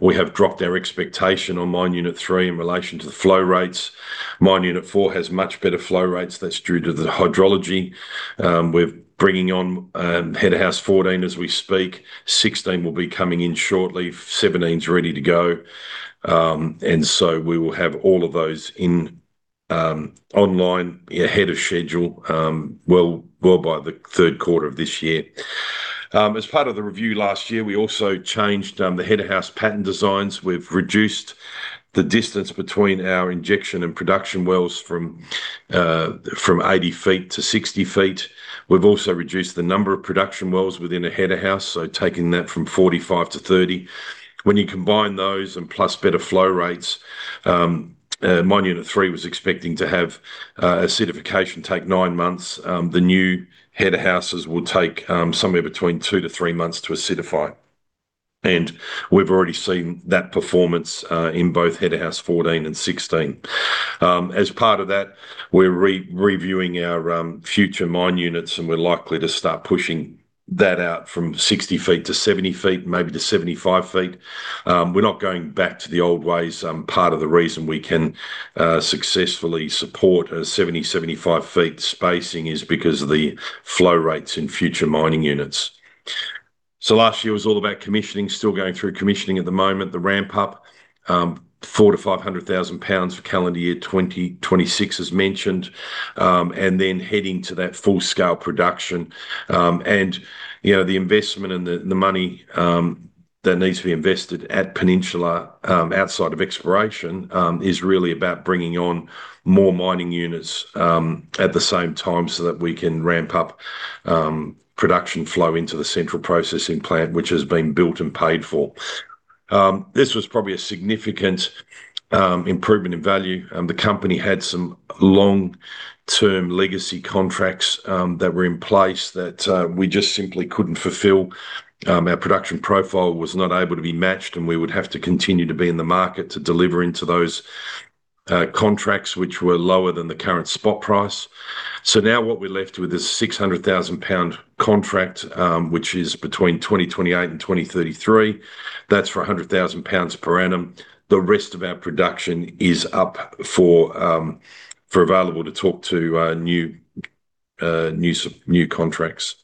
We have dropped our expectation on mine unit three in relation to the flow rates. Mine unit four has much better flow rates. That's due to the hydrology. We're bringing on head of house 14 as we speak. 16 will be coming in shortly. 17's ready to go. We will have all of those in online ahead of schedule, well by the third quarter of this year. As part of the review last year, we also changed the head of house pattern designs. We've reduced the distance between our injection and production wells from 80 ft to 60 ft. We've also reduced the number of production wells within a head of house, so taking that from 45 to 30. When you combine those and plus better flow rates, Mine Unit 3 was expecting to have acidification take nine months. The new head of houses will take somewhere between two-three months to acidify. We've already seen that performance in both Header House 14 and 16. As part of that, we're re-reviewing our future mine units, and we're likely to start pushing that out from 60 ft to 70 ft, maybe to 75 ft. We're not going back to the old ways. Part of the reason we can successfully support a 70 ft-75 ft spacing is because of the flow rates in future mining units. Last year was all about commissioning, still going through commissioning at the moment. The ramp up, 400,000 lbs-500,000 lbs for calendar year 2026 as mentioned, and then heading to that full-scale production. You know, the investment and the money that needs to be invested at Peninsula, outside of exploration, is really about bringing on more mining units at the same time so that we can ramp up production flow into the central processing plant which has been built and paid for. This was probably a significant improvement in value. The company had some long-term legacy contracts that were in place that we just simply couldn't fulfill. Our production profile was not able to be matched, and we would have to continue to be in the market to deliver into those contracts which were lower than the current spot price. Now what we're left with is 600,000 lbs contract, which is between 2028 and 2033. That's for 100,000 lbs per annum. The rest of our production is up for new contracts.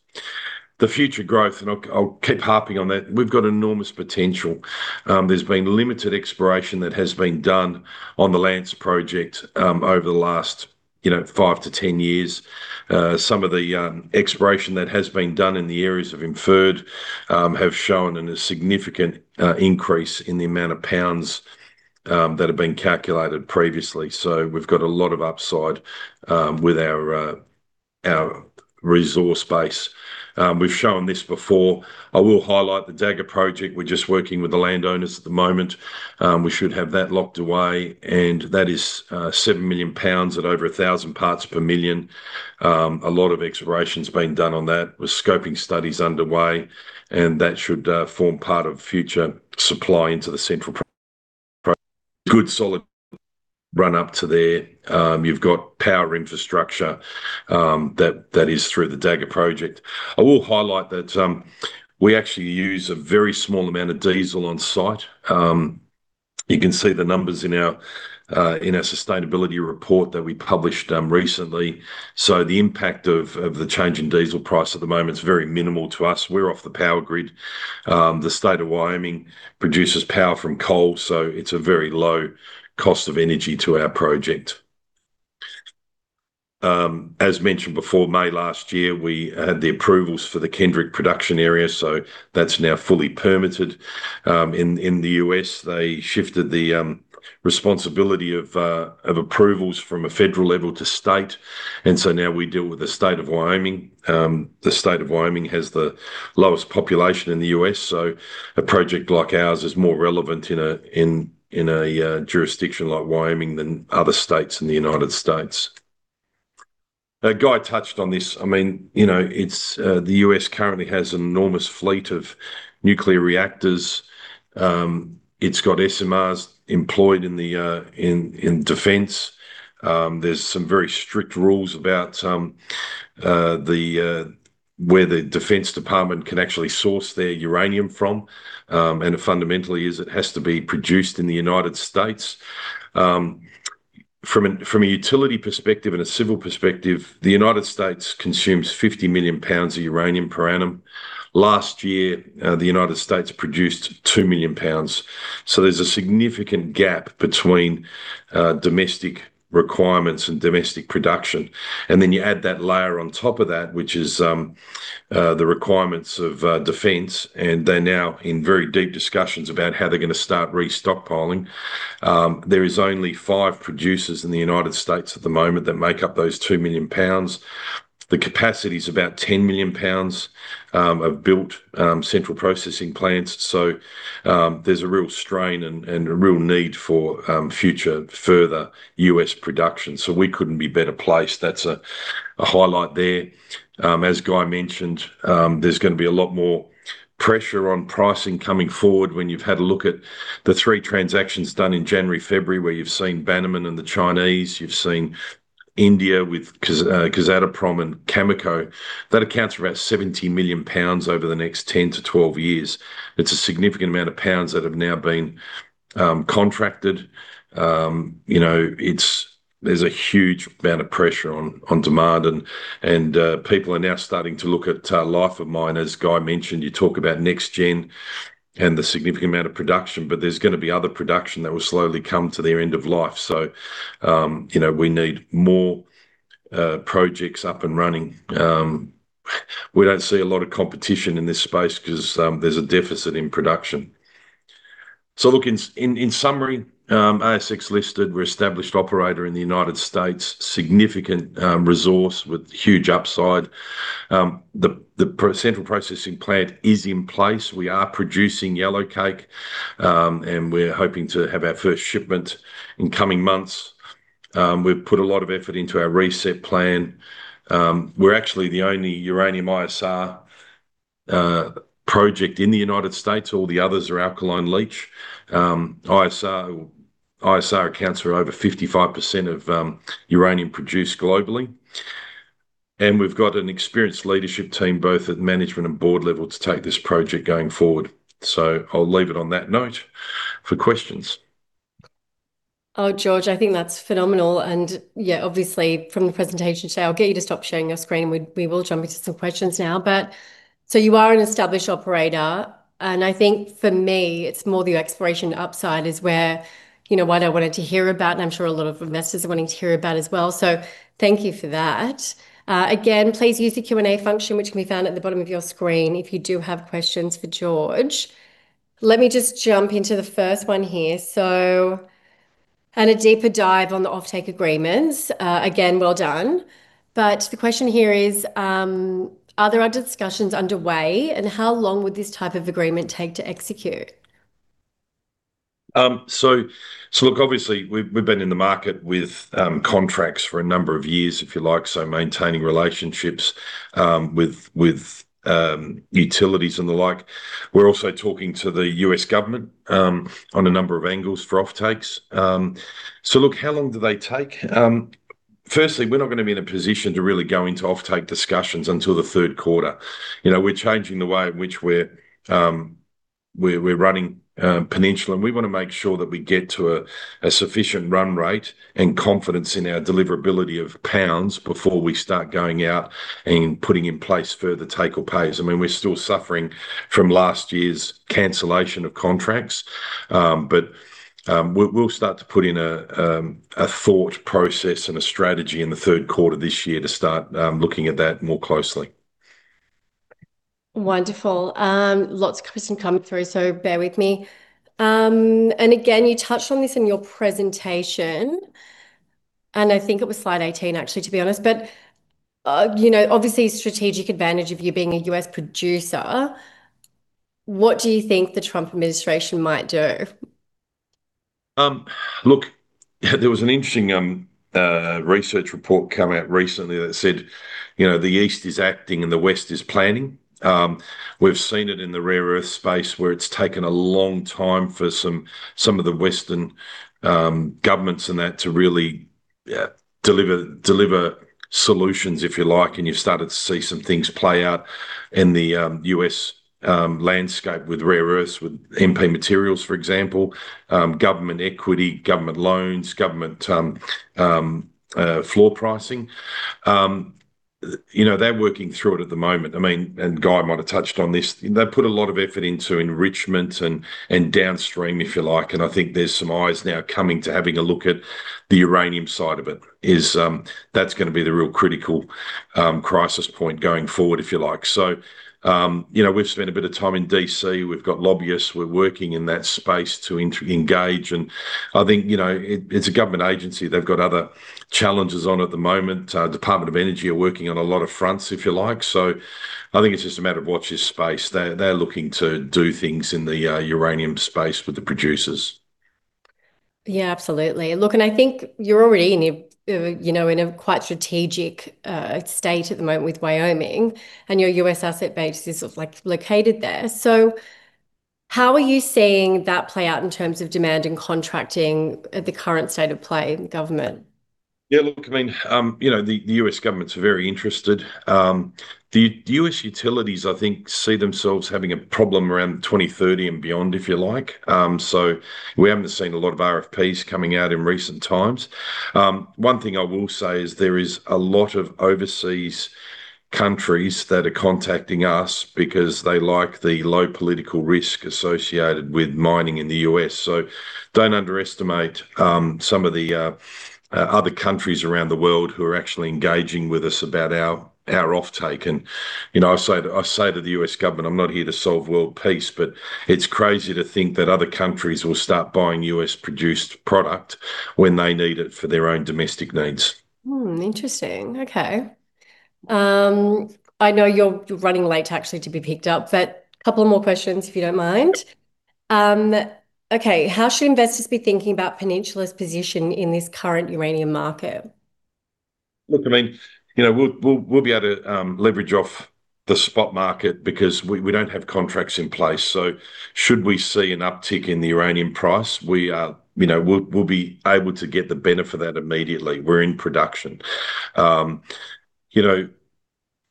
The future growth, I'll keep harping on that, we've got enormous potential. There's been limited exploration that has been done on the Lance Project over the last, you know, five-10 years. Some of the exploration that has been done in the areas of inferred have shown a significant increase in the amount of pounds that have been calculated previously. So we've got a lot of upside with our resource base. We've shown this before. I will highlight the Dagger project. We're just working with the landowners at the moment. We should have that locked away, and that is 7 million lbs at over 1,000 parts per million. A lot of exploration's been done on that with scoping studies underway, and that should form part of future supply into the central. Good solid run up to there. You've got power infrastructure that is through the Dagger Project. I will highlight that we actually use a very small amount of diesel on site. You can see the numbers in our sustainability report that we published recently. The impact of the change in diesel price at the moment is very minimal to us. We're off the power grid. The state of Wyoming produces power from coal, so it's a very low cost of energy to our project. As mentioned before, May last year, we had the approvals for the Kendrick production area, so that's now fully permitted. In the U.S., they shifted the responsibility of approvals from a federal level to state, now we deal with the state of Wyoming. The state of Wyoming has the lowest population in the U.S., so a project like ours is more relevant in a jurisdiction like Wyoming than other states in the United States. Now Guy touched on this. I mean, you know, it's the U.S. currently has an enormous fleet of nuclear reactors. It's got SMRs employed in defense. There's some very strict rules about where the Defense Department can actually source their uranium from. It fundamentally is. It has to be produced in the United States. From a utility perspective and a civil perspective, the United States consumes 50 million lbs of uranium per annum. Last year, the United States produced 2 million lbs. There's a significant gap between domestic requirements and domestic production. Then you add that layer on top of that, which is the requirements of defense, and they're now in very deep discussions about how they're gonna start re-stockpiling. There is only five producers in the United States at the moment that make up those 2 million lbs. The capacity is about 10 million lbs of built central processing plants. There's a real strain and a real need for future further U.S. production. We couldn't be better placed. That's a highlight there. As Guy mentioned, there's gonna be a lot more pressure on pricing coming forward when you've had a look at the three transactions done in January, February, where you've seen Bannerman and the Chinese, you've seen India with Kazatomprom and Cameco. That accounts for about 70 million lbs over the next 10-12 years. It's a significant amount of pounds that have now been contracted. You know, there's a huge amount of pressure on demand and people are now starting to look at life of mine. As Guy mentioned, you talk about NexGen and the significant amount of production, but there's gonna be other production that will slowly come to their end of life. You know, we need more projects up and running. We don't see a lot of competition in this space 'cause there's a deficit in production. Look, in summary, ASX listed, we're established operator in the United States, significant resource with huge upside. The central processing plant is in place. We are producing yellowcake, and we're hoping to have our first shipment in coming months. We've put a lot of effort into our reset plan. We're actually the only uranium ISR project in the United States. All the others are alkaline leach. ISR accounts for over 55% of uranium produced globally. We've got an experienced leadership team both at management and board level to take this project going forward. I'll leave it on that note for questions. Oh, George, I think that's phenomenal. Yeah, obviously from the presentation today, I'll get you to stop sharing your screen and we will jump into some questions now. You are an established operator, and I think for me it's more the exploration upside is where, you know, what I wanted to hear about, and I'm sure a lot of investors are wanting to hear about as well. Thank you for that. Again, please use the Q&A function, which can be found at the bottom of your screen if you do have questions for George. Let me just jump into the first one here. A deeper dive on the offtake agreements. Again, well done. The question here is, are there other discussions underway, and how long would this type of agreement take to execute? Look, obviously we've been in the market with contracts for a number of years, if you like, so maintaining relationships with utilities and the like. We're also talking to the U.S. government on a number of angles for offtakes. Look, how long do they take? Firstly, we're not gonna be in a position to really go into offtake discussions until the third quarter. You know, we're changing the way in which we're running Peninsula. We wanna make sure that we get to a sufficient run rate and confidence in our deliverability of pounds before we start going out and putting in place further take or pays. I mean, we're still suffering from last year's cancellation of contracts. We'll start to put in a thought process and a strategy in the third quarter this year to start looking at that more closely. Wonderful. Lots of questions coming through, so bear with me. Again, you touched on this in your presentation, and I think it was slide 18 actually, to be honest. You know, obviously strategic advantage of you being a U.S. producer, what do you think the Trump administration might do? Look, there was an interesting research report come out recently that said, you know, the East is acting and the West is planning. We've seen it in the rare earth space where it's taken a long time for some of the Western governments and that to really deliver solutions, if you like, and you're starting to see some things play out in the U.S. landscape with rare earths, with MP Materials, for example. Government equity, government loans, government floor pricing. You know, they're working through it at the moment. I mean, and Guy might have touched on this. They put a lot of effort into enrichment and downstream, if you like, and I think there's some eyes now coming to having a look at the uranium side of it is, that's gonna be the real critical crisis point going forward, if you like. You know, we've spent a bit of time in D.C. We've got lobbyists. We're working in that space to inter-engage. I think, you know, it's a government agency. They've got other challenges on at the moment. Department of Energy are working on a lot of fronts, if you like. I think it's just a matter of watch this space. They're looking to do things in the uranium space with the producers. Yeah, absolutely. Look, I think you're already in a, you know, in a quite strategic state at the moment with Wyoming, and your U.S. asset base is, like, located there. So how are you seeing that play out in terms of demand and contracting at the current state of play with government? Yeah, look, I mean, you know, the U.S. government's very interested. The U.S. utilities, I think, see themselves having a problem around 2030 and beyond, if you like. We haven't seen a lot of RFPs coming out in recent times. One thing I will say is there is a lot of overseas countries that are contacting us because they like the low political risk associated with mining in the U.S. Don't underestimate some of the other countries around the world who are actually engaging with us about our offtake. You know, I say to the U.S. government, "I'm not here to solve world peace," but it's crazy to think that other countries will start buying U.S.-produced product when they need it for their own domestic needs. Interesting. Okay. I know you're running late actually to be picked up, but couple more questions if you don't mind. Okay. How should investors be thinking about Peninsula's position in this current uranium market? Look, I mean, you know, we'll be able to leverage off the spot market because we don't have contracts in place. Should we see an uptick in the uranium price, you know, we'll be able to get the benefit of that immediately. We're in production. You know,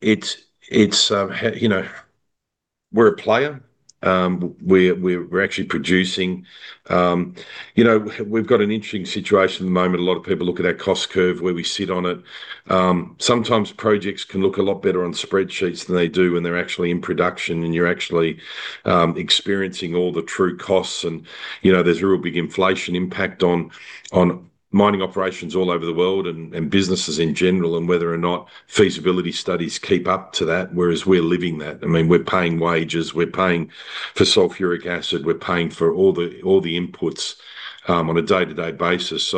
it's you know, we're a player. We're actually producing. You know, we've got an interesting situation at the moment. A lot of people look at our cost curve, where we sit on it. Sometimes projects can look a lot better on spreadsheets than they do when they're actually in production and you're actually experiencing all the true costs. You know, there's a real big inflation impact on mining operations all over the world and businesses in general and whether or not feasibility studies keep up to that, whereas we're living that. I mean, we're paying wages. We're paying for sulfuric acid. We're paying for all the inputs on a day-to-day basis.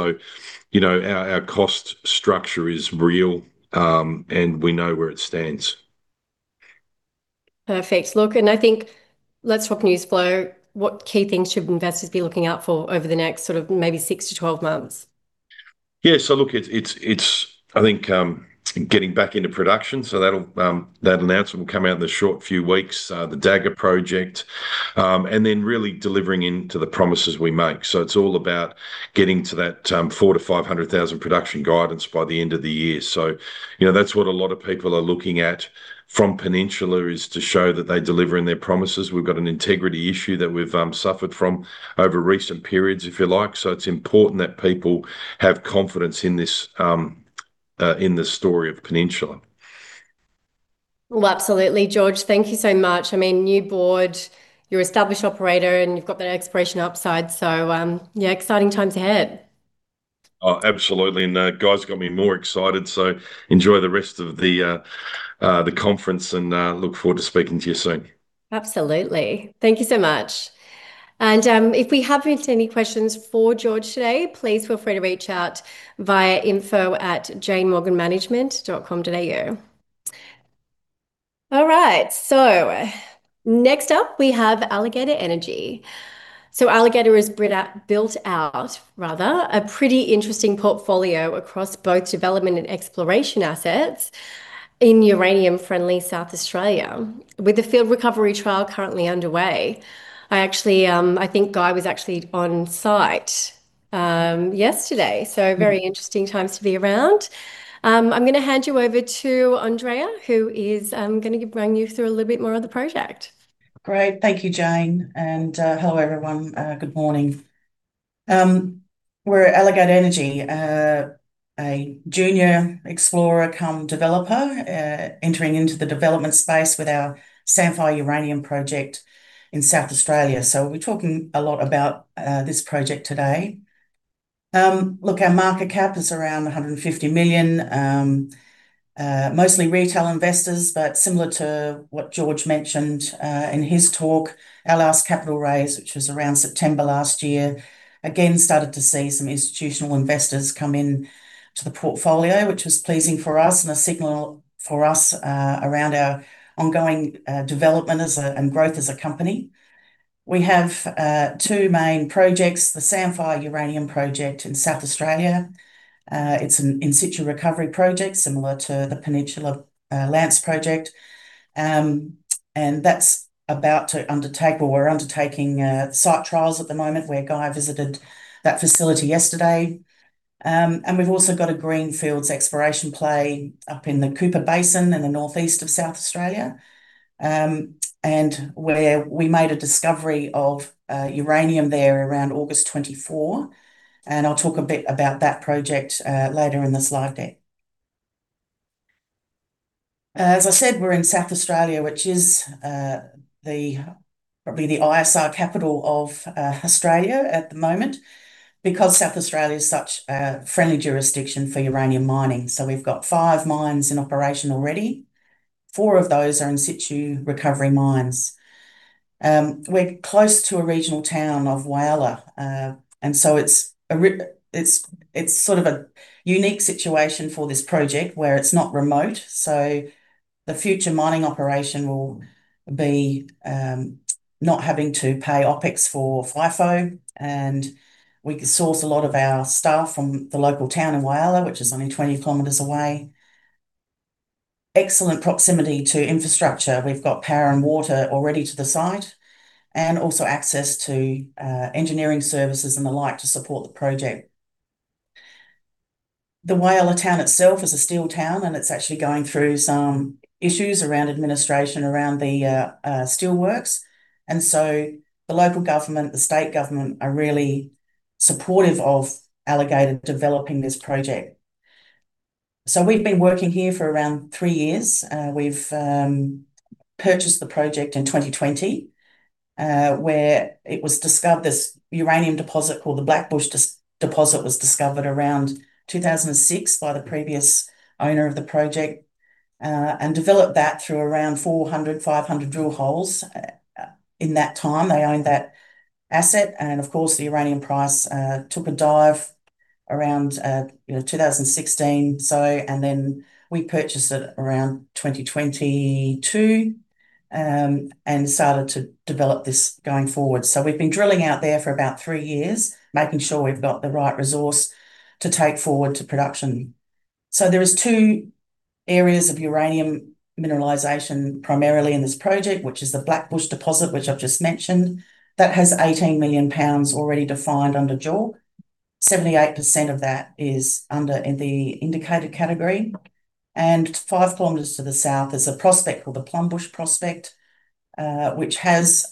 You know, our cost structure is real, and we know where it stands. Perfect. Look, I think let's talk news flow. What key things should investors be looking out for over the next sort of maybe six-12 months? Yeah. Look, it's I think getting back into production, so that'll that announcement will come out in the short few weeks, the Dagger project. And then really delivering into the promises we make. It's all about getting to that 400,000-500,000 production guidance by the end of the year. You know, that's what a lot of people are looking at from Peninsula is to show that they deliver in their promises. We've got an integrity issue that we've suffered from over recent periods, if you like. It's important that people have confidence in this in the story of Peninsula. Well, absolutely, George. Thank you so much. I mean, new board, you're established operator, and you've got that exploration upside. Yeah, exciting times ahead. Oh, absolutely. Guy's got me more excited, so enjoy the rest of the conference and look forward to speaking to you soon. Absolutely. Thank you so much. If we have any questions for George today, please feel free to reach out via info@janemorganmanagement.com.au. All right. Next up we have Alligator Energy. Alligator has built out rather a pretty interesting portfolio across both development and exploration assets in uranium-friendly South Australia with a field recovery trial currently underway. I actually, I think Guy was actually on site, yesterday, so very interesting times to be around. I'm gonna hand you over to Andrea, who is gonna bring you through a little bit more of the project. Great. Thank you, Jane, and hello everyone. Good morning. We're Alligator Energy, a junior explorer cum developer, entering into the development space with our Samphire Uranium Project in South Australia. We're talking a lot about this project today. Look, our market cap is around 150 million, mostly retail investors, but similar to what George mentioned in his talk, our last capital raise, which was around September last year, again, started to see some institutional investors come in to the portfolio, which was pleasing for us and a signal for us around our ongoing development as a and growth as a company. We have two main projects, the Samphire Uranium Project in South Australia. It's an in-situ recovery project similar to the Peninsula Lance project. That's about to undertake, or we're undertaking, site trials at the moment where Guy visited that facility yesterday. We've also got a greenfields exploration play up in the Cooper Basin in the northeast of South Australia, where we made a discovery of uranium there around August 2024. I'll talk a bit about that project later in the slide deck. As I said, we're in South Australia, which is probably the ISR capital of Australia at the moment because South Australia is such a friendly jurisdiction for uranium mining. We've got five mines in operation already. Four of those are in-situ recovery mines. We're close to a regional town of Whyalla. It's sort of a unique situation for this project where it's not remote, so the future mining operation will be not having to pay OpEx for FIFO, and we can source a lot of our staff from the local town in Whyalla, which is only 20 km away. Excellent proximity to infrastructure. We've got power and water already to the site, and also access to engineering services and the like to support the project. The Whyalla town itself is a steel town, and it's actually going through some issues around administration, around the steelworks, and so the local government, the state government, are really supportive of Alligator developing this project. We've been working here for around three years. We've purchased the project in 2020, where this uranium deposit called the Blackbush Deposit was discovered around 2006 by the previous owner of the project, and developed that through around 400-500 drill holes. In that time, they owned that asset, and of course, the uranium price took a dive around, you know, 2016. We purchased it around 2022 and started to develop this going forward. We've been drilling out there for about three years, making sure we've got the right resource to take forward to production. There are two areas of uranium mineralization primarily in this project, which is the Blackbush Deposit, which I've just mentioned. That has 18 million lbs already defined under JORC. 78% of that is under, in the indicated category. Five kilometers to the south is a prospect called the Plumbush Prospect, which has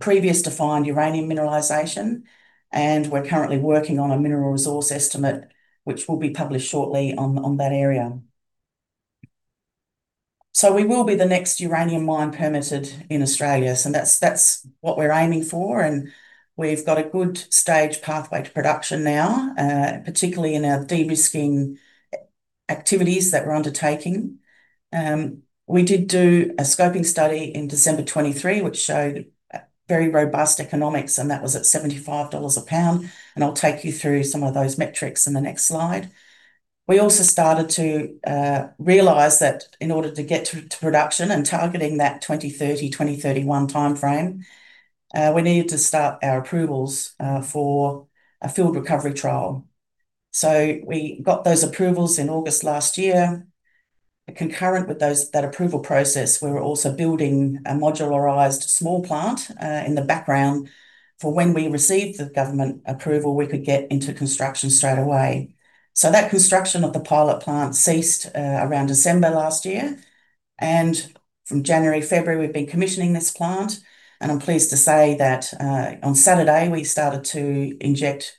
previously defined uranium mineralization, and we're currently working on a mineral resource estimate, which will be published shortly on that area. We will be the next uranium mine permitted in Australia. That's what we're aiming for, and we've got a good staged pathway to production now, particularly in our de-risking activities that we're undertaking. We did do a scoping study in December 2023, which showed very robust economics, and that was at $75 a pound, and I'll take you through some of those metrics in the next slide. We also started to realize that in order to get to production and targeting that 2030, 2031 timeframe, we needed to start our approvals for a field recovery trial. We got those approvals in August last year. Concurrent with that approval process, we were also building a modularized small plant in the background for when we received the government approval, we could get into construction straight away. That construction of the pilot plant ceased around December last year, and from January, February we've been commissioning this plant. I'm pleased to say that on Saturday we started to inject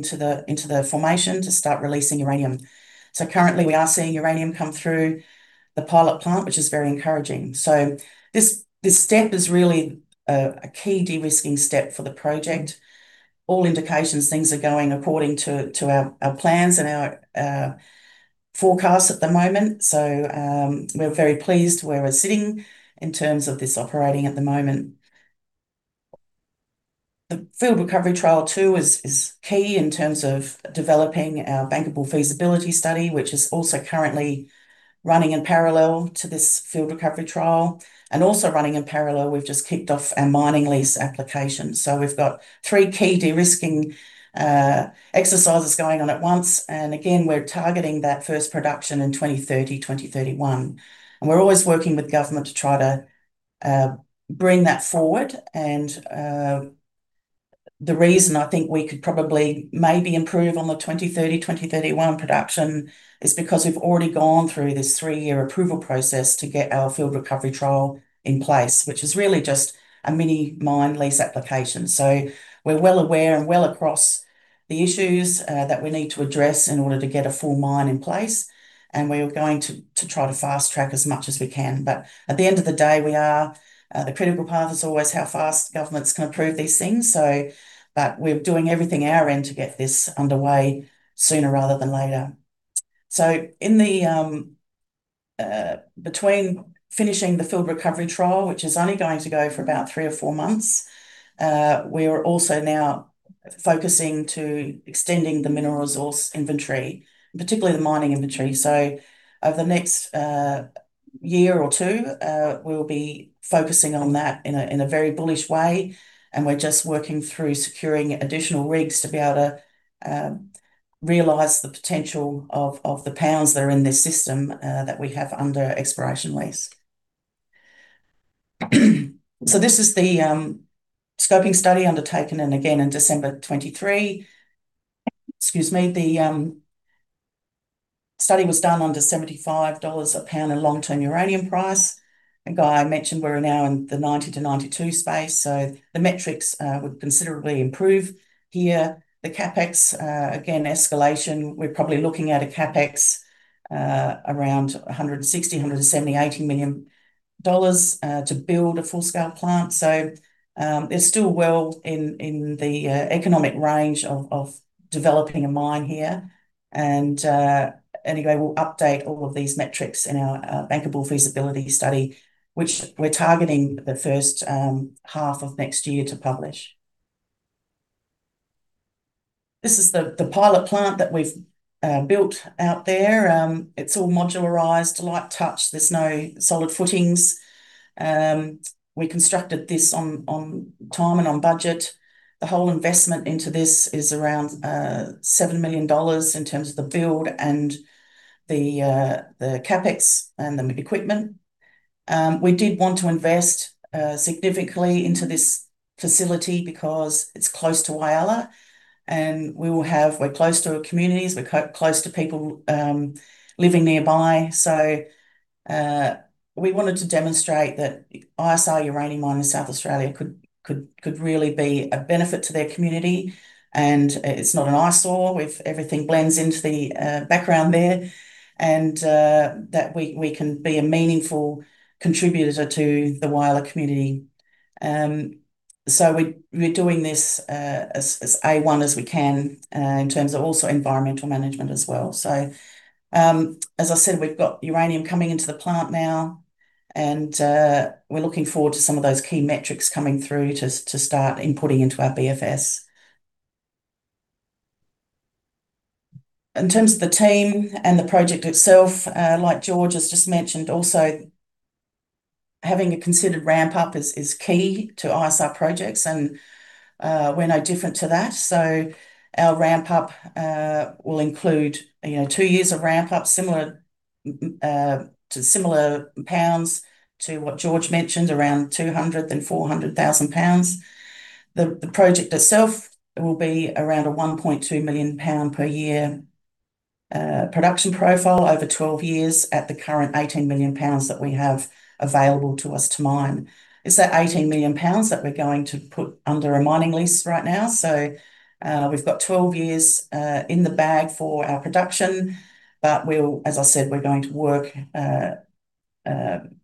reagents into the formation to start releasing uranium. Currently we are seeing uranium come through the pilot plant, which is very encouraging. This step is really a key de-risking step for the project. All indications things are going according to our plans and our forecasts at the moment. We're very pleased where we're sitting in terms of this operating at the moment. The field recovery trial too is key in terms of developing our bankable feasibility study, which is also currently running in parallel to this field recovery trial. Also running in parallel, we've just kicked off our mining lease application. We've got three key de-risking exercises going on at once, and again, we're targeting that first production in 2030, 2031. We're always working with government to try to bring that forward and the reason I think we could probably maybe improve on the 2030, 2031 production is because we've already gone through this three-year approval process to get our field recovery trial in place, which is really just a mini mine lease application. We're well aware and well across the issues that we need to address in order to get a full mine in place, and we're going to try to fast-track as much as we can. At the end of the day, we are the critical path is always how fast governments can approve these things, but we're doing everything our end to get this underway sooner rather than later. In the between finishing the field recovery trial, which is only going to go for about three or four months, we are also now focusing to extending the mineral resource inventory, particularly the mining inventory. Over the next year or two, we'll be focusing on that in a very bullish way, and we're just working through securing additional rigs to be able to realize the potential of the pounds that are in this system that we have under exploration lease. This is the scoping study undertaken and again in December 2023. Excuse me. The study was done under $75 a pound in long-term uranium price, and Guy mentioned we're now in the $90-$92 space. The metrics would considerably improve here. The CapEx, again, escalation, we're probably looking at a CapEx around $160 million, $170 million, $180 million to build a full-scale plant. It's still well in the economic range of developing a mine here and anyway, we'll update all of these metrics in our bankable feasibility study, which we're targeting the first half of next year to publish. This is the pilot plant that we've built out there. It's all modularized, light touch. There's no solid footings. We constructed this on time and on budget. The whole investment into this is around 7 million dollars in terms of the build and the CapEx and the equipment. We did want to invest significantly into this facility because it's close to Whyalla and we're close to communities, we're close to people living nearby. We wanted to demonstrate that ISR Uranium Mine in South Australia could really be a benefit to their community and it's not an eyesore. Everything blends into the background there and that we can be a meaningful contributor to the Whyalla community. We're doing this as A-one as we can in terms of also environmental management as well. As I said, we've got uranium coming into the plant now and we're looking forward to some of those key metrics coming through to start inputting into our BFS. In terms of the team and the project itself, like George has just mentioned, also having a considered ramp-up is key to ISR projects and we're no different to that. Our ramp-up will include, you know, two years of ramp-up, similar to similar pounds to what George mentioned, around 200 then 400,000 lbs. The project itself will be around a 1.2 million lbs per year production profile over 12 years at the current 18 million lbs that we have available to us to mine. It's that 18 million lbs that we're going to put under a mining lease right now. We've got 12 years in the bag for our production, but we'll, as I said, we're going to work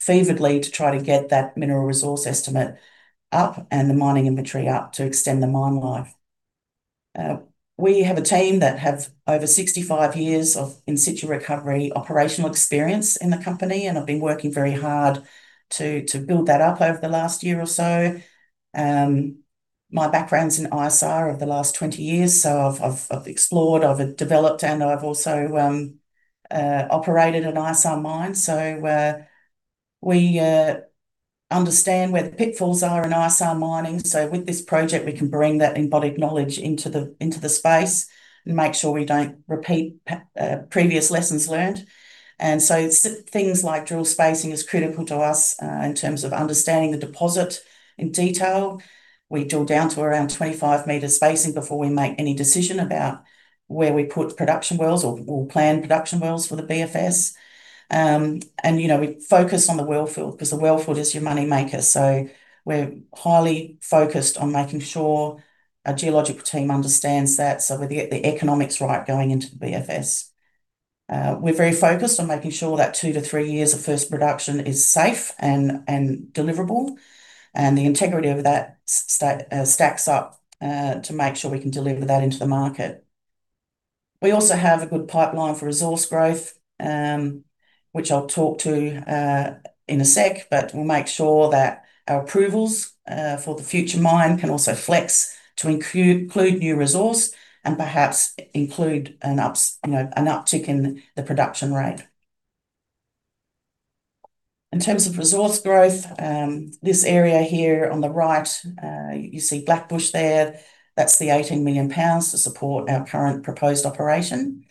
feverishly to try to get that mineral resource estimate up and the mining inventory up to extend the mine life. We have a team that have over 65 years of in situ recovery operational experience in the company, and I've been working very hard to build that up over the last year or so. My background's in ISR of the last 20 years, so I've explored, I've developed, and I've also operated an ISR mine. We understand where the pitfalls are in ISR mining. With this project, we can bring that embodied knowledge into the space and make sure we don't repeat previous lessons learned. Things like drill spacing is critical to us in terms of understanding the deposit in detail. We drill down to around 25 meters spacing before we make any decision about where we put production wells or plan production wells for the BFS. You know, we focus on the well field because the well field is your money maker. We're highly focused on making sure our geological team understands that, so we get the economics right going into the BFS. We're very focused on making sure that two-three years of first production is safe and deliverable, and the integrity of that stacks up to make sure we can deliver that into the market. We also have a good pipeline for resource growth, which I'll talk to in a sec, but we'll make sure that our approvals for the future mine can also flex to include new resource and perhaps include an uptick in the production rate. In terms of resource growth, this area here on the right, you see Blackbush there. That's the 18 million lbs to support our current proposed operation.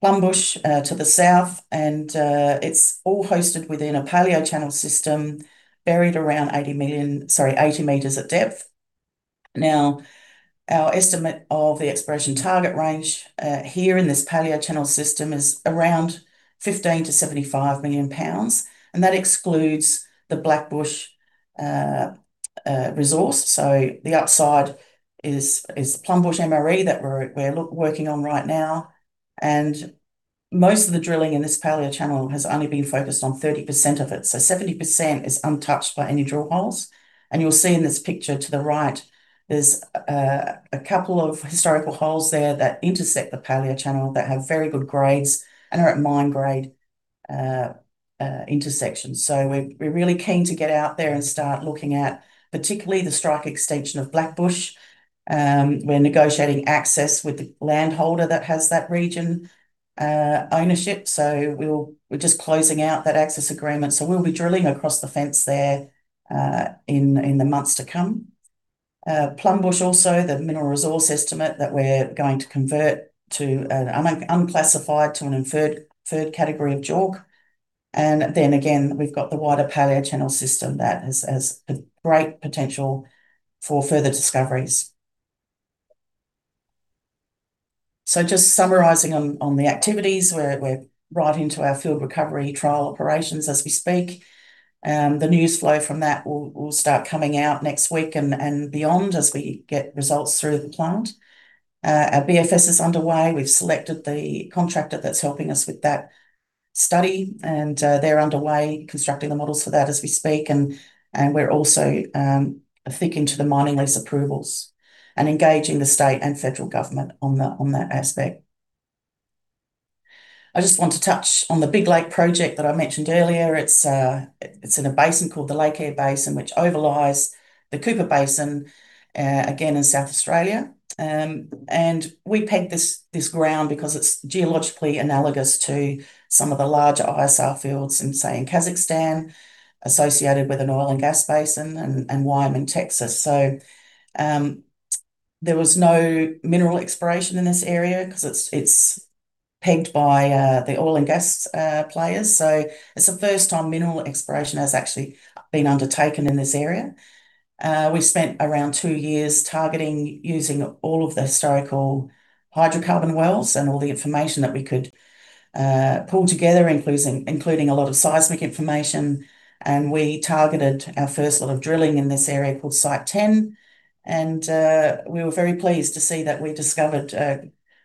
Plumbush to the south, and it's all hosted within a paleo channel system buried around 80 meters at depth. Now, our estimate of the exploration target range here in this Paleochannel System is around 15 lbs-75 million lbs, and that excludes the Blackbush resource. The upside is Plumbush MRE that we're working on right now. Most of the drilling in this Paleochannel has only been focused on 30% of it, so 70% is untouched by any drill holes. You'll see in this picture to the right, there's a couple of historical holes there that intersect the Paleochannel that have very good grades and are at mine grade intersections. We're really keen to get out there and start looking at particularly the strike extension of Blackbush. We're negotiating access with the land holder that has that region ownership. We're just closing out that access agreement. We'll be drilling across the fence there in the months to come. Plumbush also, the mineral resource estimate that we're going to convert the unclassified to an inferred category of JORC. We've got the wider Paleochannel System that has a great potential for further discoveries. Just summarizing on the activities, we're right into our field recovery trial operations as we speak. The news flow from that will start coming out next week and beyond as we get results through the plant. Our BFS is underway. We've selected the contractor that's helping us with that study, and they're underway constructing the models for that as we speak. We're also turning to the mining lease approvals and engaging the state and federal government on that aspect. I just want to touch on the Big Lake project that I mentioned earlier. It's in a basin called the Lake Eyre Basin, which overlies the Cooper Basin, again in South Australia. We pegged this ground because it's geologically analogous to some of the larger ISR fields in, say, Kazakhstan associated with an oil and gas basin and Wyoming, Texas. There was no mineral exploration in this area because it's pegged by the oil and gas players. It's the first time mineral exploration has actually been undertaken in this area. We spent around two years targeting using all of the historical hydrocarbon wells and all the information that we could pull together, including a lot of seismic information. We targeted our first lot of drilling in this area called Site 10. We were very pleased to see that we discovered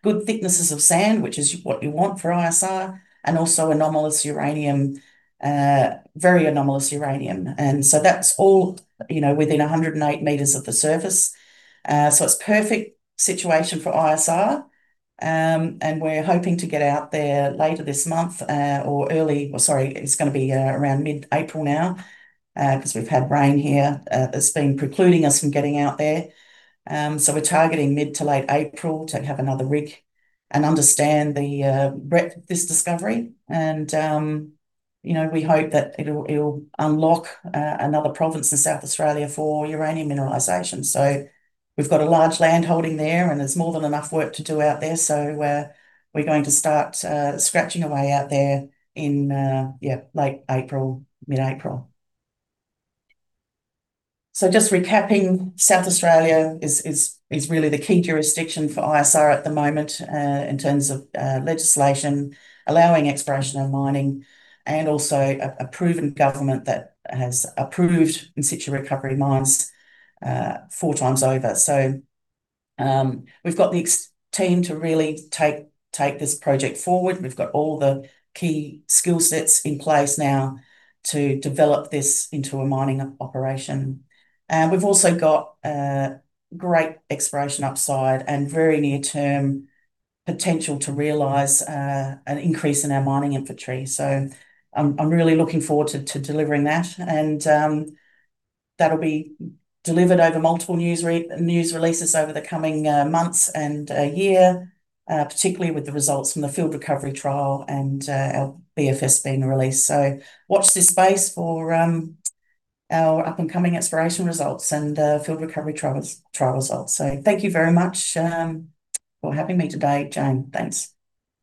good thicknesses of sand, which is what you want for ISR, and also anomalous uranium, very anomalous uranium. That's all, you know, within 108 meters of the surface. It's perfect situation for ISR. We're hoping to get out there later this month, it's gonna be around mid-April now, because we've had rain here, that's been precluding us from getting out there. We're targeting mid to late April to have another rig and understand the breadth of this discovery. You know, we hope that it'll unlock another province in South Australia for uranium mineralization. We've got a large land holding there, and there's more than enough work to do out there. We're going to start scratching away out there in late April, mid-April. Just recapping, South Australia is really the key jurisdiction for ISR at the moment, in terms of legislation allowing exploration and mining, and also a proven government that has approved in-situ recovery mines four times over. We've got the team to really take this project forward. We've got all the key skill sets in place now to develop this into a mining operation. We've also got a great exploration upside and very near-term potential to realize an increase in our mining inventory. I'm really looking forward to delivering that. That'll be delivered over multiple news releases over the coming months and year. Particularly with the results from the field recovery trial and our BFS being released. Watch this space for our up-and-coming exploration results and field recovery trial results. Thank you very much for having me today, Jane. Thanks.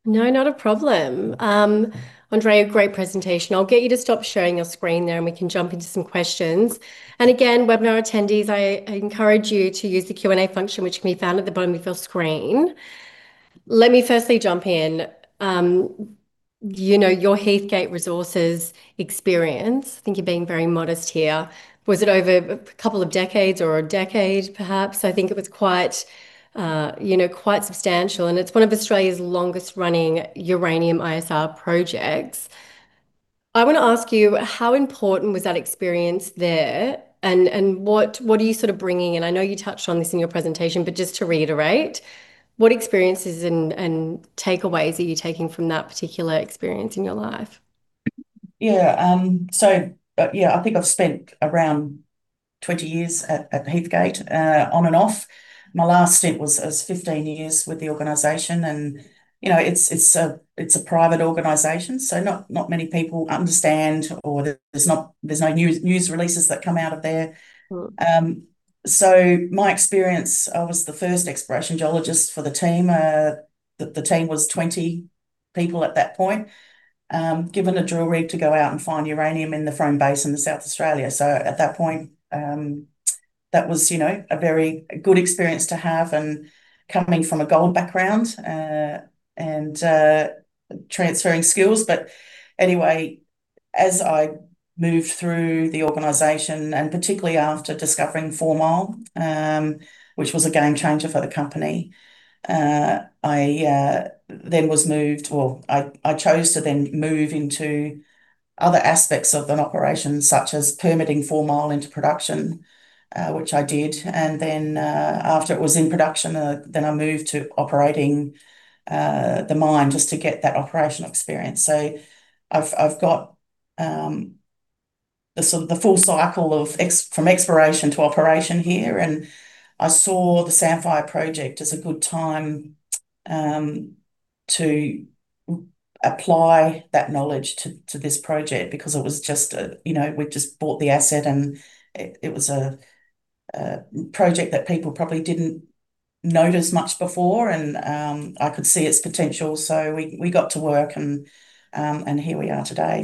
No, not a problem. Andrea, great presentation. I'll get you to stop sharing your screen now and we can jump into some questions. Webinar attendees, I encourage you to use the Q&A function which can be found at the bottom of your screen. Let me firstly jump in. You know, your Heathgate Resources experience, I think you're being very modest here. Was it over a couple of decades or a decade perhaps? I think it was quite substantial, and it's one of Australia's longest running uranium ISR projects. I want to ask you, how important was that experience there and what are you sort of bringing? I know you touched on this in your presentation, but just to reiterate, what experiences and takeaways are you taking from that particular experience in your life? I think I've spent around 20 years at Heathgate on and off. My last stint was 15 years with the organization and, you know, it's a private organization so not many people understand or there's no news releases that come out of there. Mm. My experience, I was the first exploration geologist for the team. The team was 20 people at that point, given a drill rig to go out and find uranium in the Frome Basin in South Australia. At that point, that was, you know, a very good experience to have and coming from a gold background and transferring skills. Anyway, as I moved through the organization, and particularly after discovering Four Mile, which was a game-changer for the company, I chose to move into other aspects of an operation such as permitting Four Mile into production, which I did. After it was in production, I moved to operating the mine just to get that operational experience. I've got the sort of full cycle from exploration to operation here, and I saw the Samphire project as a good time to apply that knowledge to this project because it was just a, you know, we'd just bought the asset and it was a project that people probably didn't notice much before and I could see its potential. We got to work and here we are today.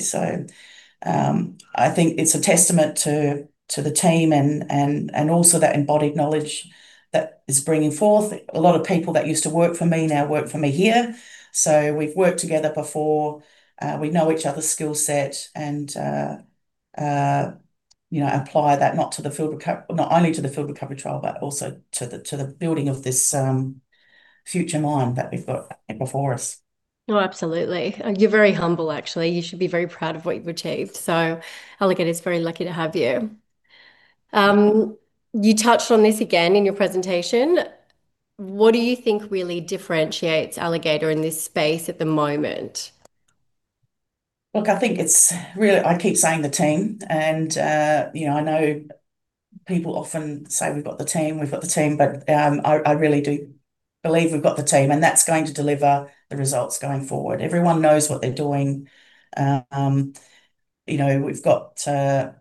I think it's a testament to the team and also that embodied knowledge that it's bringing forth. A lot of people that used to work for me now work for me here, so we've worked together before. We know each other's skill set and, you know, apply that not only to the field recovery trial, but also to the building of this future mine that we've got before us. Oh, absolutely. You're very humble, actually. You should be very proud of what you've achieved, so Alligator's very lucky to have you. You touched on this again in your presentation. What do you think really differentiates Alligator in this space at the moment? Look, I think it's really, I keep saying the team and, you know, I know people often say, "We've got the team, we've got the team," but, I really do believe we've got the team, and that's going to deliver the results going forward. Everyone knows what they're doing. You know, we've got the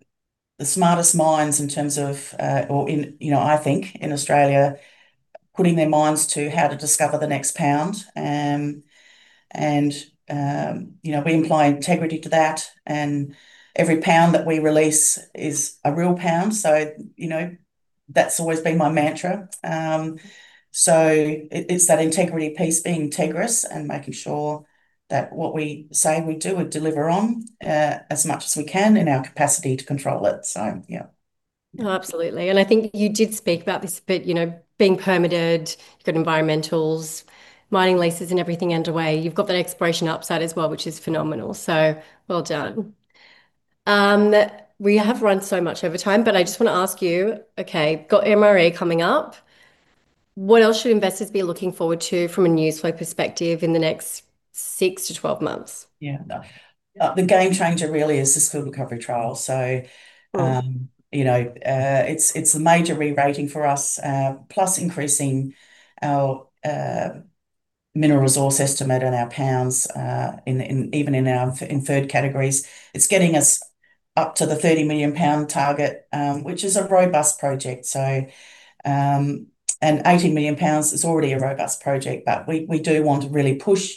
smartest minds in terms of, or in, you know, I think, in Australia, putting their minds to how to discover the next pound. You know, we apply integrity to that, and every pound that we release is a real pound. You know, that's always been my mantra. It, it's that integrity piece, being integrous and making sure that what we say we do, we deliver on, as much as we can in our capacity to control it. Yeah. Oh, absolutely. I think you did speak about this a bit, you know, being permitted, you've got environmentals, mining leases and everything underway. You've got that exploration upside as well, which is phenomenal. Well done. We have run so much over time, but I just want to ask you, okay, got MRE coming up. What else should investors be looking forward to from a news flow perspective in the next six-12 months? The game changer really is this field recovery trial. Right. You know, it's a major rerating for us, plus increasing our mineral resource estimate on our pounds in Indicated, even our Inferred categories. It's getting us up to the 30 million lbs target, which is a robust project. 80 million lbs is already a robust project, but we do want to really push,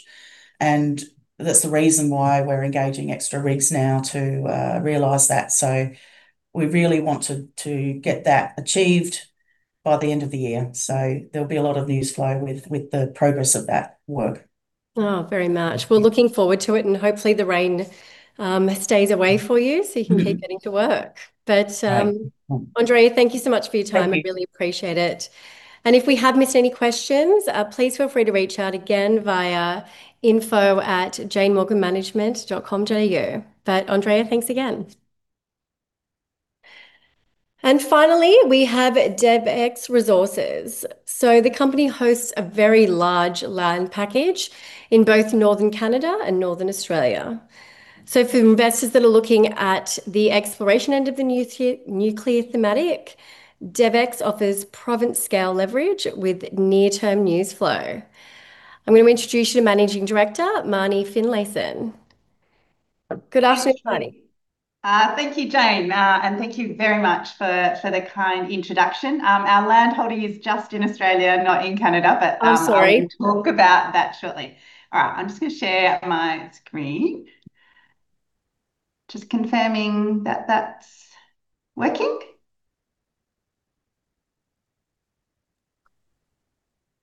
and that's the reason why we're engaging extra rigs now to realize that. We really want to get that achieved by the end of the year. There'll be a lot of news flow with the progress of that work. Oh, very much. We're looking forward to it, and hopefully the rain stays away for you so you can keep getting to work. Right. Andrea, thank you so much for your time. Thank you. I really appreciate it. If we have missed any questions, please feel free to reach out again via info@janemorganmanagement.com.au. Andrea, thanks again. Finally, we have DevEx Resources. The company hosts a very large land package in both northern Canada and northern Australia. For investors that are looking at the exploration end of the new nuclear thematic, DevEx offers province-scale leverage with near-term news flow. I'm gonna introduce you to Managing Director, Marnie Finlayson. Good afternoon, Marnie. Thank you, Jane. Thank you very much for the kind introduction. Our land holding is just in Australia, not in Canada, but Oh, sorry. I can talk about that shortly. All right, I'm just gonna share my screen. Just confirming that that's working.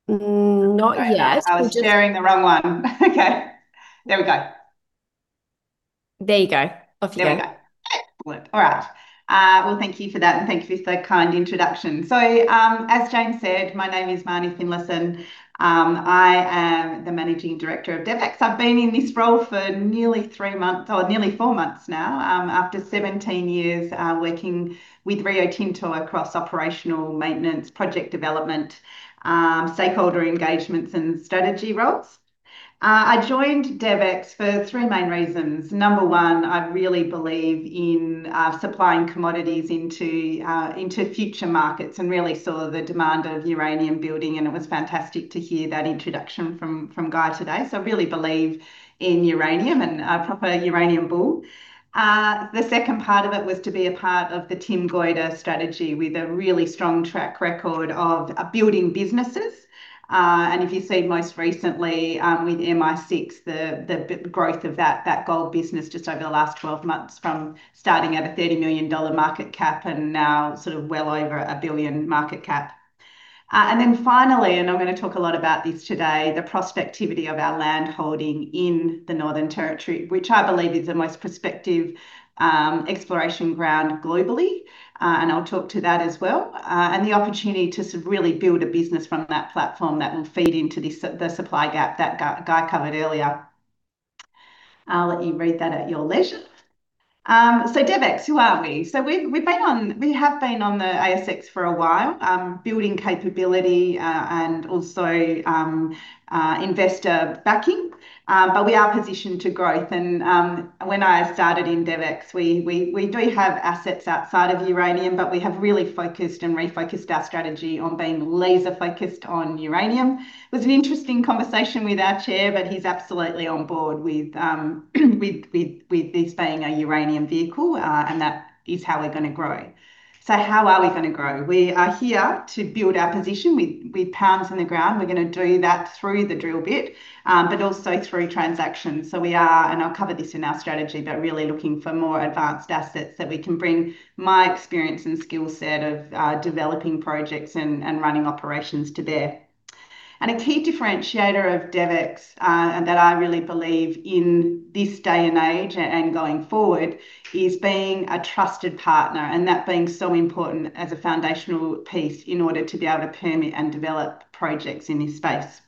Not yet. Okay. I was sharing the wrong one. Okay. There we go. There you go. Off you go. There we go. Excellent. All right. Well, thank you for that, and thank you for the kind introduction. As Jane said, my name is Marnie Finlayson. I am the Managing Director of DevEx. I've been in this role for nearly three months or nearly four months now, after 17 years working with Rio Tinto across operational maintenance, project development, stakeholder engagements, and strategy roles. I joined DevEx for three main reasons. Number one, I really believe in supplying commodities into future markets and really saw the demand of uranium building, and it was fantastic to hear that introduction from Guy today. I really believe in uranium and a proper uranium bull. The second part of it was to be a part of the Tim Goyder strategy with a really strong track record of building businesses. If you see most recently, with MI6, the growth of that gold business just over the last 12 months from starting at a 30 million dollar market cap and now sort of well over a 1 billion market cap. I'm gonna talk a lot about this today, the prospectivity of our land holding in the Northern Territory, which I believe is the most prospective exploration ground globally, and I'll talk to that as well, and the opportunity to sort of really build a business from that platform that will feed into this, the supply gap that Guy covered earlier. I'll let you read that at your leisure. DevEx, who are we? We've been on... We have been on the ASX for a while, building capability, and also investor backing. We are positioned to grow, and when I started in DevEx, we do have assets outside of uranium, but we have really focused and refocused our strategy on being laser-focused on uranium. It was an interesting conversation with our chair. He's absolutely on board with this being a uranium vehicle, and that is how we're gonna grow. How are we gonna grow? We are here to build our position with pounds in the ground. We're gonna do that through the drill bit, but also through transactions. We are, and I'll cover this in our strategy, but really looking for more advanced assets that we can bring my experience and skill set of developing projects and running operations to there. A key differentiator of DevEx, and that I really believe in this day and age and going forward, is being a trusted partner, and that being so important as a foundational piece in order to be able to permit and develop projects in this space.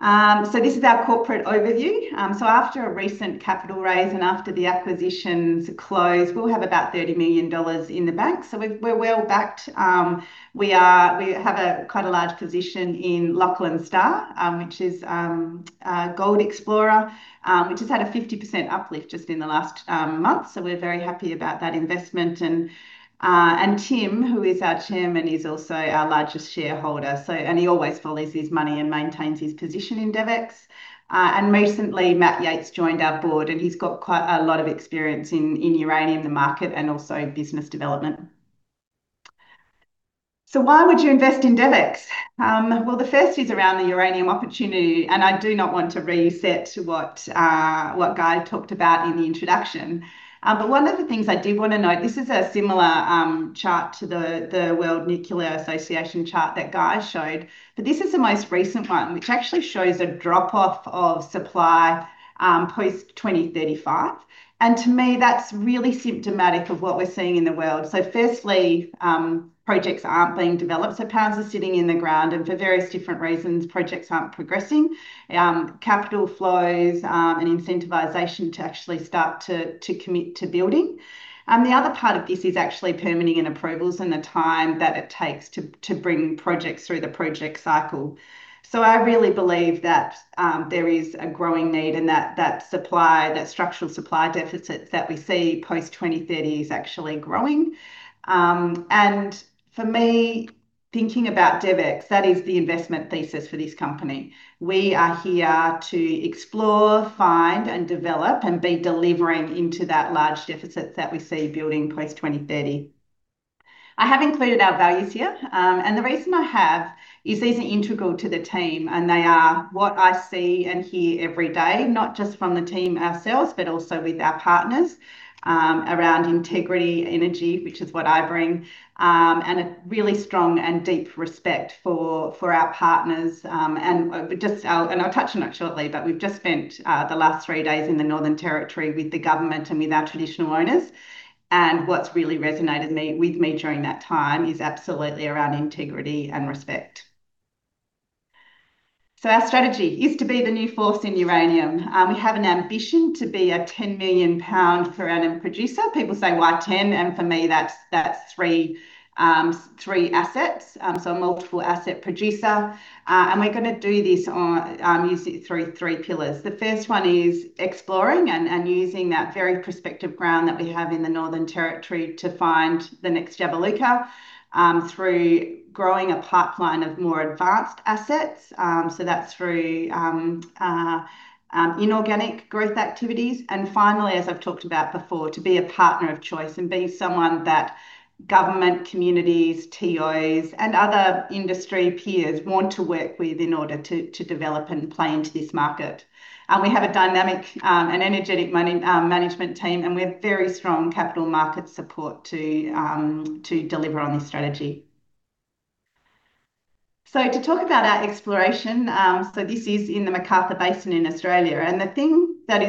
This is our corporate overview. After a recent capital raise and after the acquisitions close, we'll have about 30 million dollars in the bank. We're well-backed. We have quite a large position in Lachlan Star, which is a gold explorer, which has had a 50% uplift just in the last month. We're very happy about that investment. Tim, who is our Chairman, is also our largest shareholder. He always follows his money and maintains his position in DevEx. Recently, Matt Yates joined our board, and he's got quite a lot of experience in uranium, the market, and also in business development. Why would you invest in DevEx? Well, the first is around the uranium opportunity, and I do not want to reset what Guy talked about in the introduction. One of the things I did wanna note, this is a similar chart to the World Nuclear Association chart that Guy showed, but this is the most recent one, which actually shows a drop-off of supply post-2035. To me, that's really symptomatic of what we're seeing in the world. Firstly, projects aren't being developed, so pounds are sitting in the ground and for various different reasons, projects aren't progressing, capital flows and incentivization to actually start to commit to building. The other part of this is actually permitting and approvals and the time that it takes to bring projects through the project cycle. I really believe that there is a growing need, and that supply, that structural supply deficit that we see post-2030 is actually growing. For me, thinking about DevEx, that is the investment thesis for this company. We are here to explore, find, and develop and be delivering into that large deficit that we see building post-2030. I have included our values here. The reason I have is these are integral to the team, and they are what I see and hear every day, not just from the team ourselves, but also with our partners around integrity, energy, which is what I bring, and a really strong and deep respect for our partners. I'll touch on it shortly, but we've just spent the last three days in the Northern Territory with the government and with our traditional owners, and what's really resonated with me during that time is absolutely around integrity and respect. Our strategy is to be the new force in uranium. We have an ambition to be a 10-million-lbs uranium producer. People say, "Why ten?" For me, that's three assets, so a multiple asset producer. We're gonna do this through three pillars. The first one is exploring and using that very prospective ground that we have in the Northern Territory to find the next Jabiluka through growing a pipeline of more advanced assets. That's through inorganic growth activities. Finally, as I've talked about before, to be a partner of choice and be someone that government, communities, TOs, and other industry peers want to work with in order to develop and play into this market. We have a dynamic and energetic management team, and we have very strong capital market support to deliver on this strategy. To talk about our exploration, this is in the McArthur Basin in Australia. The thing that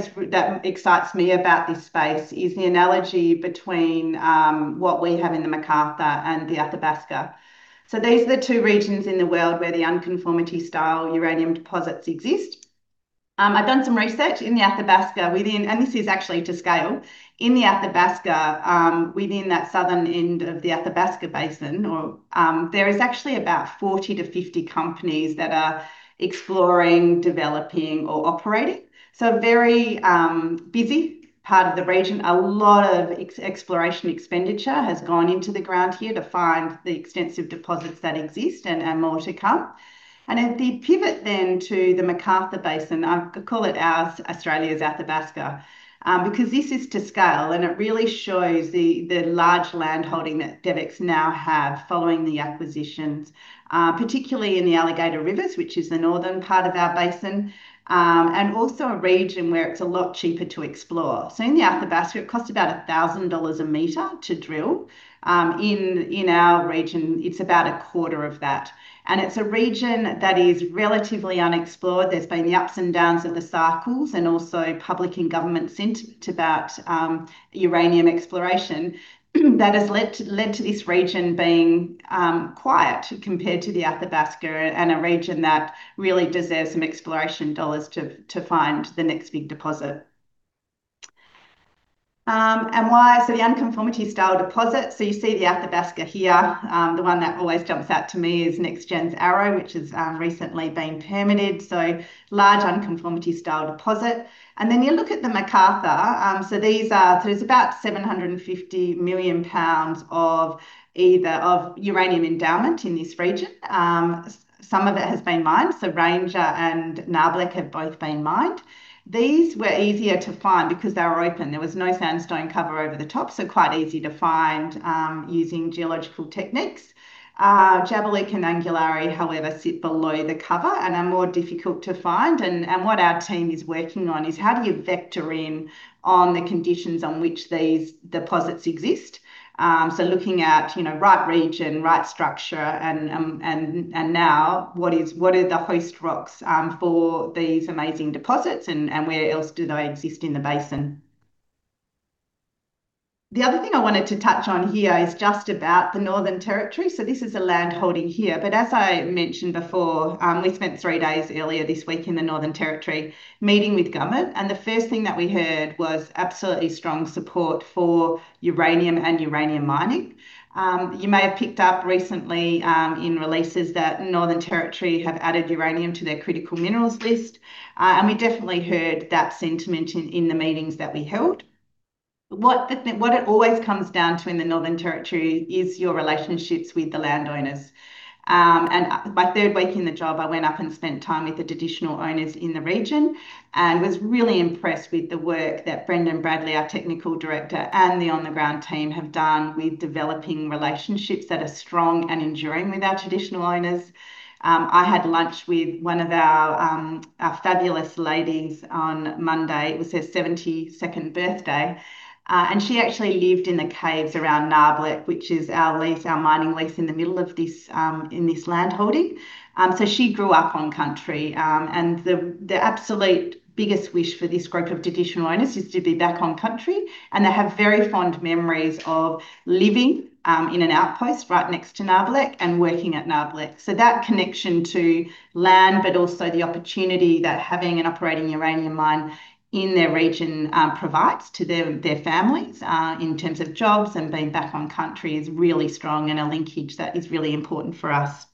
excites me about this space is the analogy between what we have in the McArthur and the Athabasca. These are the two regions in the world where the unconformity-style uranium deposits exist. I've done some research in the Athabasca within. This is actually to scale. In the Athabasca, within that southern end of the Athabasca Basin, there is actually about 40-50 companies that are exploring, developing, or operating. A very busy part of the region. A lot of exploration expenditure has gone into the ground here to find the extensive deposits that exist and more to come. Then the pivot to the McArthur Basin, I call it our Australia's Athabasca, because this is to scale, and it really shows the large landholding that DevEx now have following the acquisitions, particularly in the Alligator Rivers, which is the northern part of our basin, and also a region where it's a lot cheaper to explore. In the Athabasca, it costs about $1,000 a meter to drill. In our region, it's about a quarter of that, and it's a region that is relatively unexplored. There's been the ups and downs of the cycles and also public and government sentiment about uranium exploration that has led to this region being quiet compared to the Athabasca and a region that really deserves some exploration dollars to find the next big deposit. The unconformity-style deposit. You see the Athabasca here. The one that always jumps out to me is NexGen's Arrow, which has recently been permitted. Large unconformity-style deposit. Then you look at the McArthur. These are. There's about 750 million lbs of uranium endowment in this region. Some of it has been mined, so Ranger and Nabarlek have both been mined. These were easier to find because they were open. There was no sandstone cover over the top, so quite easy to find using geological techniques. Jabiluka and Angularli, however, sit below the cover and are more difficult to find. What our team is working on is how do you vector in on the conditions on which these deposits exist? Looking at, you know, right region, right structure, and now what are the host rocks for these amazing deposits and where else do they exist in the basin? The other thing I wanted to touch on here is just about the Northern Territory. This is a land holding here. As I mentioned before, we spent three days earlier this week in the Northern Territory meeting with government, and the first thing that we heard was absolutely strong support for uranium and uranium mining. You may have picked up recently, in releases that Northern Territory have added uranium to their critical minerals list, and we definitely heard that sentiment in the meetings that we held. What it always comes down to in the Northern Territory is your relationships with the landowners. My third week in the job, I went up and spent time with the traditional owners in the region and was really impressed with the work that Brendan Bradley, our technical director, and the on-the-ground team have done with developing relationships that are strong and enduring with our traditional owners. I had lunch with one of our fabulous ladies on Monday. It was her 72nd birthday. She actually lived in the caves around Nabarlek, which is our lease, our mining lease in the middle of this land holding. She grew up on country, and the absolute biggest wish for this group of traditional owners is to be back on country, and they have very fond memories of living in an outpost right next to Nabarlek and working at Nabarlek. That connection to land, but also the opportunity that having an operating uranium mine in their region provides to their families in terms of jobs and being back on country is really strong and a linkage that is really important for us.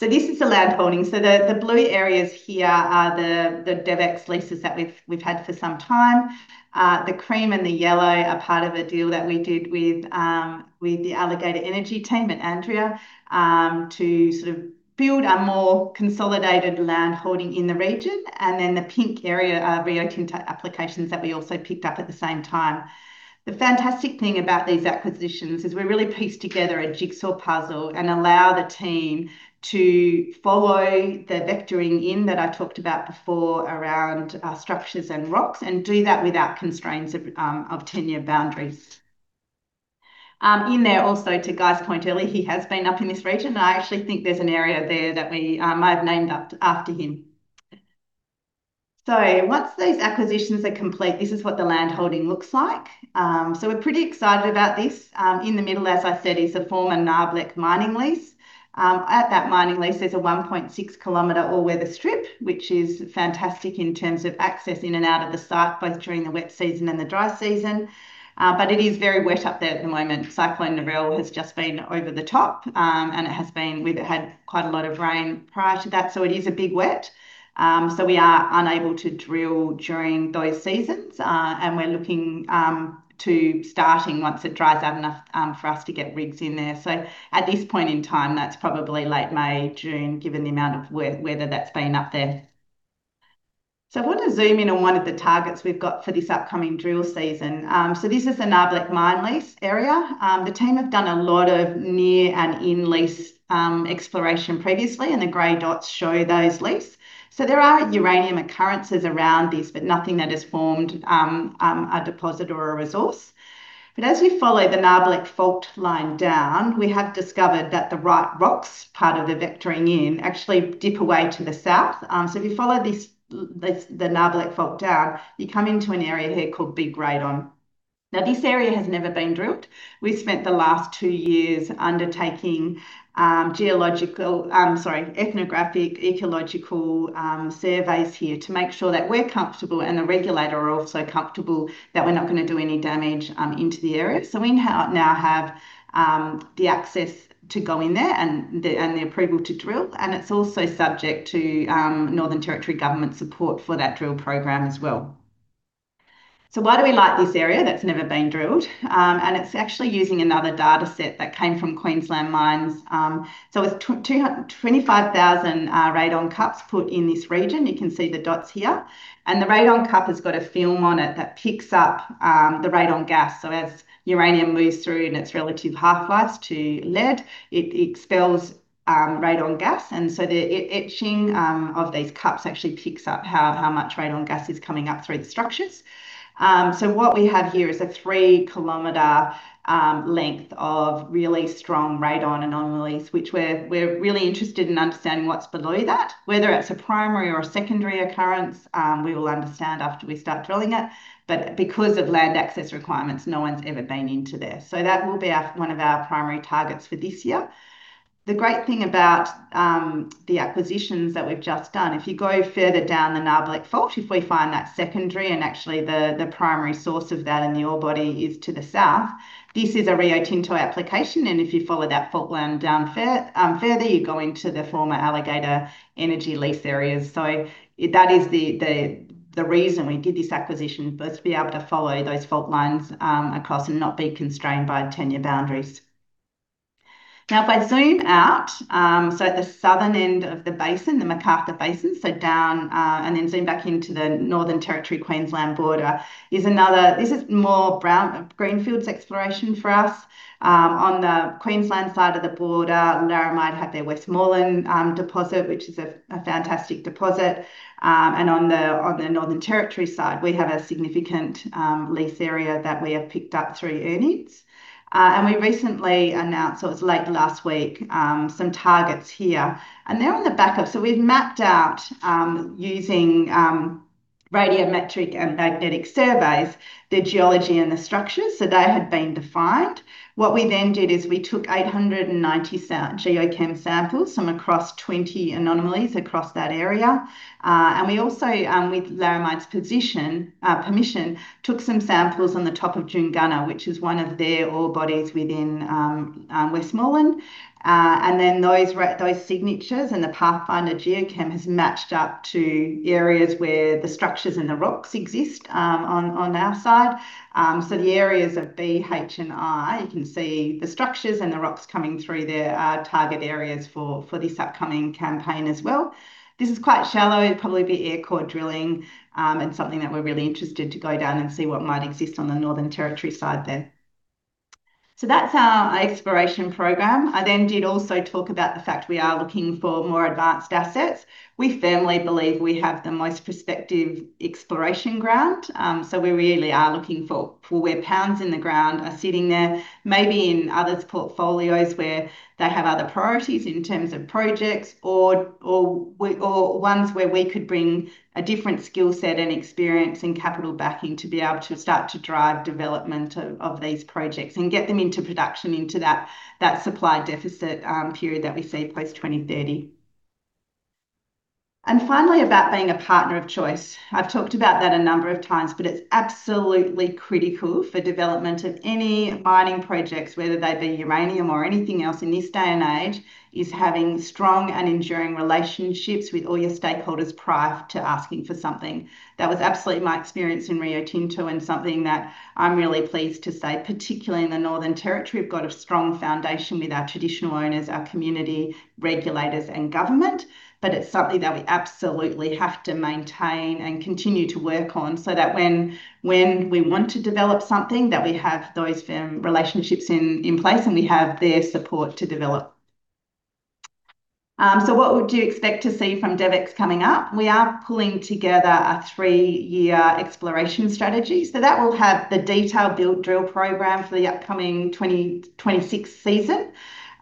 This is the land holding. The blue areas here are the DevEx leases that we've had for some time. The cream and the yellow are part of a deal that we did with the Alligator Energy team at Andrea to sort of build a more consolidated land holding in the region. Then the pink area are Rio Tinto applications that we also picked up at the same time. The fantastic thing about these acquisitions is we really pieced together a jigsaw puzzle and allow the team to follow the vectoring in that I talked about before around structures and rocks, and do that without constraints of tenure boundaries. In there also to Guy's point earlier, he has been up in this region, and I actually think there's an area there that we may have named after him. Once these acquisitions are complete, this is what the land holding looks like. We're pretty excited about this. In the middle, as I said, is a former Nabarlek mining lease. At that mining lease, there's a 1.6-km all-weather strip, which is fantastic in terms of access in and out of the site, both during the wet season and the dry season. It is very wet up there at the moment. Cyclone Narelle has just been over the top, we've had quite a lot of rain prior to that, so it is a big wet. We are unable to drill during those seasons. We're looking to starting once it dries out enough for us to get rigs in there. At this point in time, that's probably late May, June, given the amount of weather that's been up there. I want to zoom in on one of the targets we've got for this upcoming drill season. This is the Nabarlek mine lease area. The team have done a lot of near- and in-lease exploration previously, and the gray dots show those leases. There are uranium occurrences around this, but nothing that has formed a deposit or a resource. As we follow the Nabarlek fault line down, we have discovered that the right rocks, part of the vectoring in, actually dip away to the south. If you follow this, the Nabarlek fault down, you come into an area here called Big Radon. Now, this area has never been drilled. We spent the last two years undertaking ethnographic, ecological, surveys here to make sure that we're comfortable and the regulator are also comfortable that we're not going to do any damage into the area. We now have the access to go in there and the approval to drill. It's also subject to Northern Territory government support for that drill program as well. Why do we like this area that's never been drilled? It's actually using another dataset that came from Queensland Mines. It's 25,000 radon cups put in this region. You can see the dots here. The radon cup has got a film on it that picks up the radon gas. As uranium moves through in its relative half-lives to lead, it expels radon gas. The etching of these cups actually picks up how much radon gas is coming up through the structures. What we have here is a 3-km length of really strong radon anomalies, which we're really interested in understanding what's below that. Whether it's a primary or a secondary occurrence, we will understand after we start drilling it. Because of land access requirements, no one's ever been into there. That will be one of our primary targets for this year. The great thing about the acquisitions that we've just done. If you go further down the Nabarlek fault, if we find that secondary and actually the primary source of that in the ore body is to the south, this is a Rio Tinto application, and if you follow that fault line down further, you go into the former Alligator Energy lease areas. That is the reason we did this acquisition was to be able to follow those fault lines across and not be constrained by tenure boundaries. Now, if I zoom out, at the southern end of the basin, the McArthur Basin, down, and then zoom back into the Northern Territory-Queensland border is another. This is more greenfields exploration for us. On the Queensland side of the border, Laramide had their Westmoreland deposit, which is a fantastic deposit. On the Northern Territory side, we have a significant lease area that we have picked up through earn-ins. We recently announced, or it's late last week, some targets here, and they're on the back of we've mapped out using radiometric and magnetic surveys, the geology and the structures. They have been defined. What we then did is we took 890 geochem samples from across 20 anomalies across that area. We also, with Laramide's permission, took some samples on the top of Junnagunna, which is one of their ore bodies within Westmoreland. Those signatures and the pathfinder geochem has matched up to areas where the structures and the rocks exist on our side. The areas of B, H, and I, you can see the structures and the rocks coming through there are target areas for this upcoming campaign as well. This is quite shallow. It'll probably be air core drilling, and something that we're really interested to go down and see what might exist on the Northern Territory side then. That's our exploration program. I then did also talk about the fact we are looking for more advanced assets. We firmly believe we have the most prospective exploration ground. We really are looking for where pounds in the ground are sitting there, maybe in others' portfolios where they have other priorities in terms of projects or ones where we could bring a different skill set and experience and capital backing to be able to start to drive development of these projects and get them into production into that supply deficit period that we see post-2030. Finally, about being a partner of choice. I've talked about that a number of times, but it's absolutely critical for development of any mining projects, whether they be uranium or anything else in this day and age, is having strong and enduring relationships with all your stakeholders prior to asking for something. That was absolutely my experience in Rio Tinto and something that I'm really pleased to say, particularly in the Northern Territory. We've got a strong foundation with our traditional owners, our community, regulators, and government. But it's something that we absolutely have to maintain and continue to work on so that when we want to develop something, that we have those firm relationships in place, and we have their support to develop. What would you expect to see from DevEx coming up? We are pulling together a three-year exploration strategy. That will have the detailed build drill program for the upcoming 2026 season.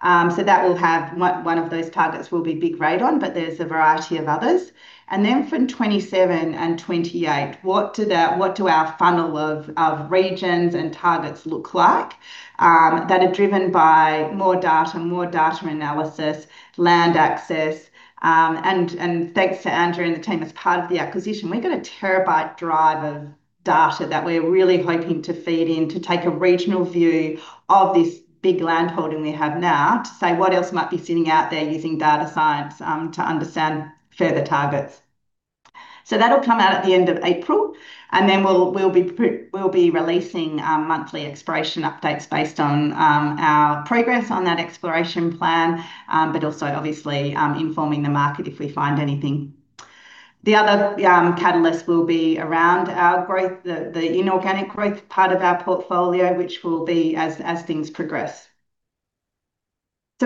That will have one of those targets will be Big Radon, but there's a variety of others. And 2028, what does our funnel of regions and targets look like, that are driven by more data, more data analysis, land access, and thanks to Andrew and the team, as part of the acquisition, we got a terabyte drive of data that we're really hoping to feed in to take a regional view of this big landholding we have now to say what else might be sitting out there using data science, to understand further targets. That'll come out at the end of April, and then we'll be releasing monthly exploration updates based on our progress on that exploration plan, but also obviously, informing the market if we find anything. The other catalyst will be around our growth, the inorganic growth part of our portfolio, which will be as things progress.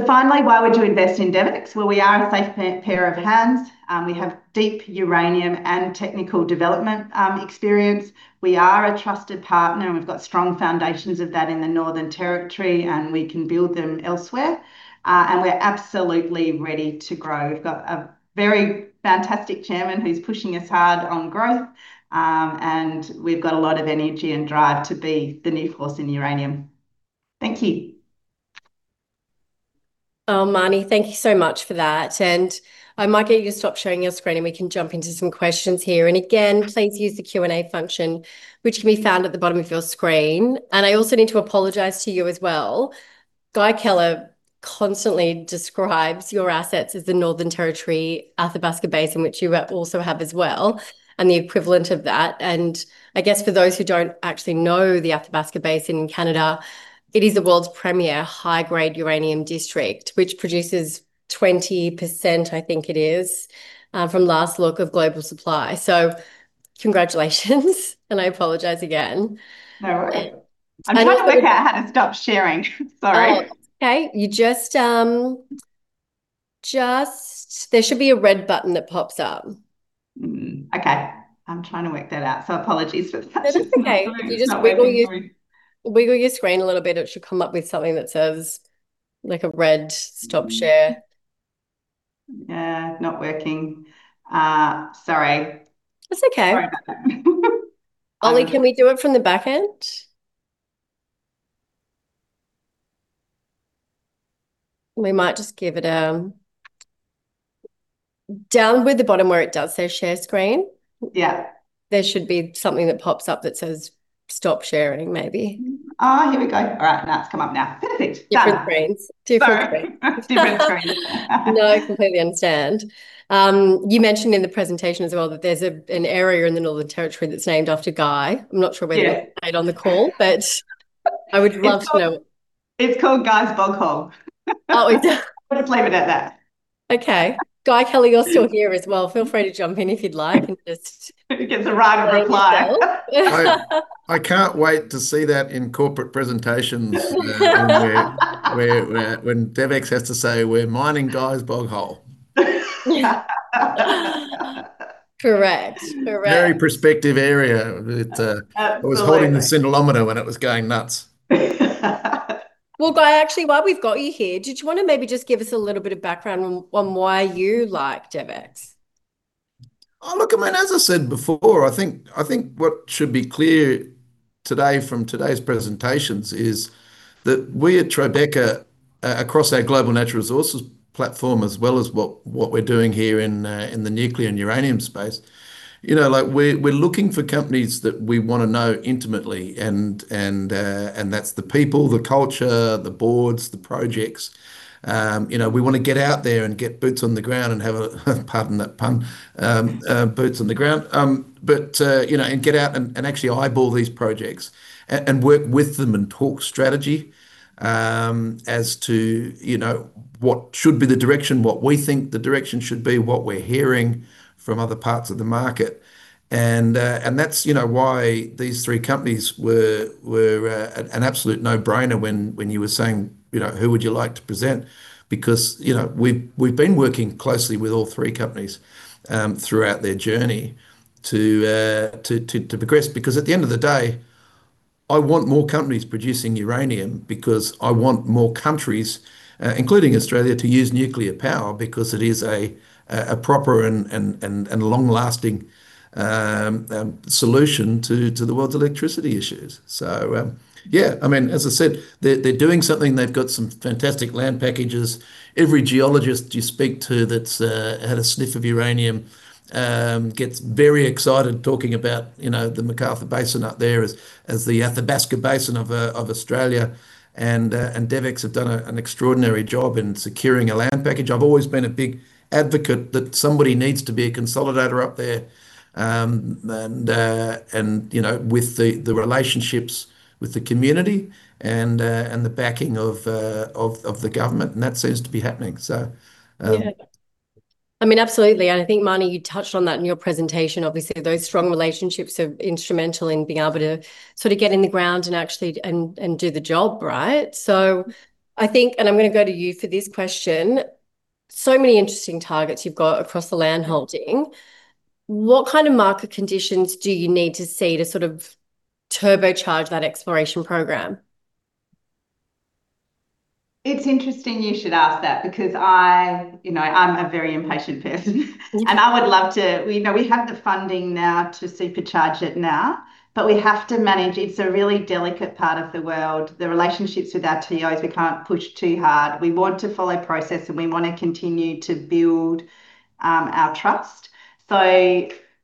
Finally, why would you invest in DevEx? Well, we are a safe pair of hands. We have deep uranium and technical development experience. We are a trusted partner, and we've got strong foundations of that in the Northern Territory, and we can build them elsewhere. We're absolutely ready to grow. We've got a very fantastic chairman who's pushing us hard on growth, and we've got a lot of energy and drive to be the new force in uranium. Thank you. Oh, Marnie, thank you so much for that. I might get you to stop sharing your screen, and we can jump into some questions here. Again, please use the Q&A function, which can be found at the bottom of your screen. I also need to apologize to you as well. Guy Keller constantly describes your assets as the Northern Territory Athabasca Basin, which you also have as well, and the equivalent of that. I guess for those who don't actually know the Athabasca Basin in Canada, it is the world's premier high-grade uranium district, which produces 20%, I think it is, from last look of global supply. Congratulations, and I apologize again. No worry. And if- I'm trying to work out how to stop sharing. Sorry. Oh, okay. There should be a red button that pops up. Okay. I'm trying to work that out, so apologies for the technical No, that's okay. Struggles I'm going through. If you just wiggle your screen a little bit, it should come up with something that says, like a red Stop Share. Not working. Sorry. That's okay. Sorry about that. Ollie, can we do it from the back end? We might just give it down to the bottom where it does say Share Screen. Yeah. There should be something that pops up that says Stop Sharing, maybe. Here we go. All right, now it's come up now. Perfect. Ta-da. Different screens. Two different screens. Sorry. Different screen. No, I completely understand. You mentioned in the presentation as well that there's an area in the Northern Territory that's named after Guy. Yeah. I'm not sure whether he made it on the call, but I would love to know. It's called Guy's Bog Hole. Oh, is it? We'll just leave it at that. Okay. Guy Keller, you're still here as well. Feel free to jump in if you'd like. He gets a right of reply. Let us know. I can't wait to see that in corporate presentations when DevEx has to say, "We're mining Guy's Bog Hole. Correct. Correct. Very prospective area. Absolutely. I was holding the scintillometer when it was going nuts. Well, Guy, actually, while we've got you here, did you wanna maybe just give us a little bit of background on why you like DevEx? Oh, look, I mean, as I said before, I think what should be clear today from today's presentations is that we at Tribeca across our global natural resources platform as well as what we're doing here in the nuclear and uranium space, you know, like, we're looking for companies that we wanna know intimately, and that's the people, the culture, the boards, the projects. You know, we wanna get out there and get boots on the ground and pardon the pun, boots on the ground. You know, and get out and actually eyeball these projects and work with them and talk strategy as to, you know, what should be the direction, what we think the direction should be, what we're hearing from other parts of the market. That's, you know, why these three companies were an absolute no-brainer when you were saying, you know, "Who would you like to present?" Because, you know, we've been working closely with all three companies throughout their journey to progress. Because at the end of the day, I want more companies producing uranium because I want more countries, including Australia, to use nuclear power because it is a proper and long-lasting solution to the world's electricity issues. Yeah. I mean, as I said, they're doing something. They've got some fantastic land packages. Every geologist you speak to that's had a sniff of uranium gets very excited talking about, you know, the McArthur Basin up there as the Athabasca Basin of Australia. DevEx have done an extraordinary job in securing a land package. I've always been a big advocate that somebody needs to be a consolidator up there, and you know, with the relationships with the community and the backing of the government, and that seems to be happening. Yeah. I mean, absolutely, and I think, Marnie, you touched on that in your presentation. Obviously, those strong relationships are instrumental in being able to sort of get in the ground and actually and do the job, right? I think, and I'm gonna go to you for this question, so many interesting targets you've got across the land holding. What kind of market conditions do you need to see to sort of turbocharge that exploration program? It's interesting you should ask that because I, you know, I'm a very impatient person. Yeah. We, you know, have the funding now to supercharge it now, but we have to manage. It's a really delicate part of the world, the relationships with our TOs. We can't push too hard. We want to follow process, and we want to continue to build our trust.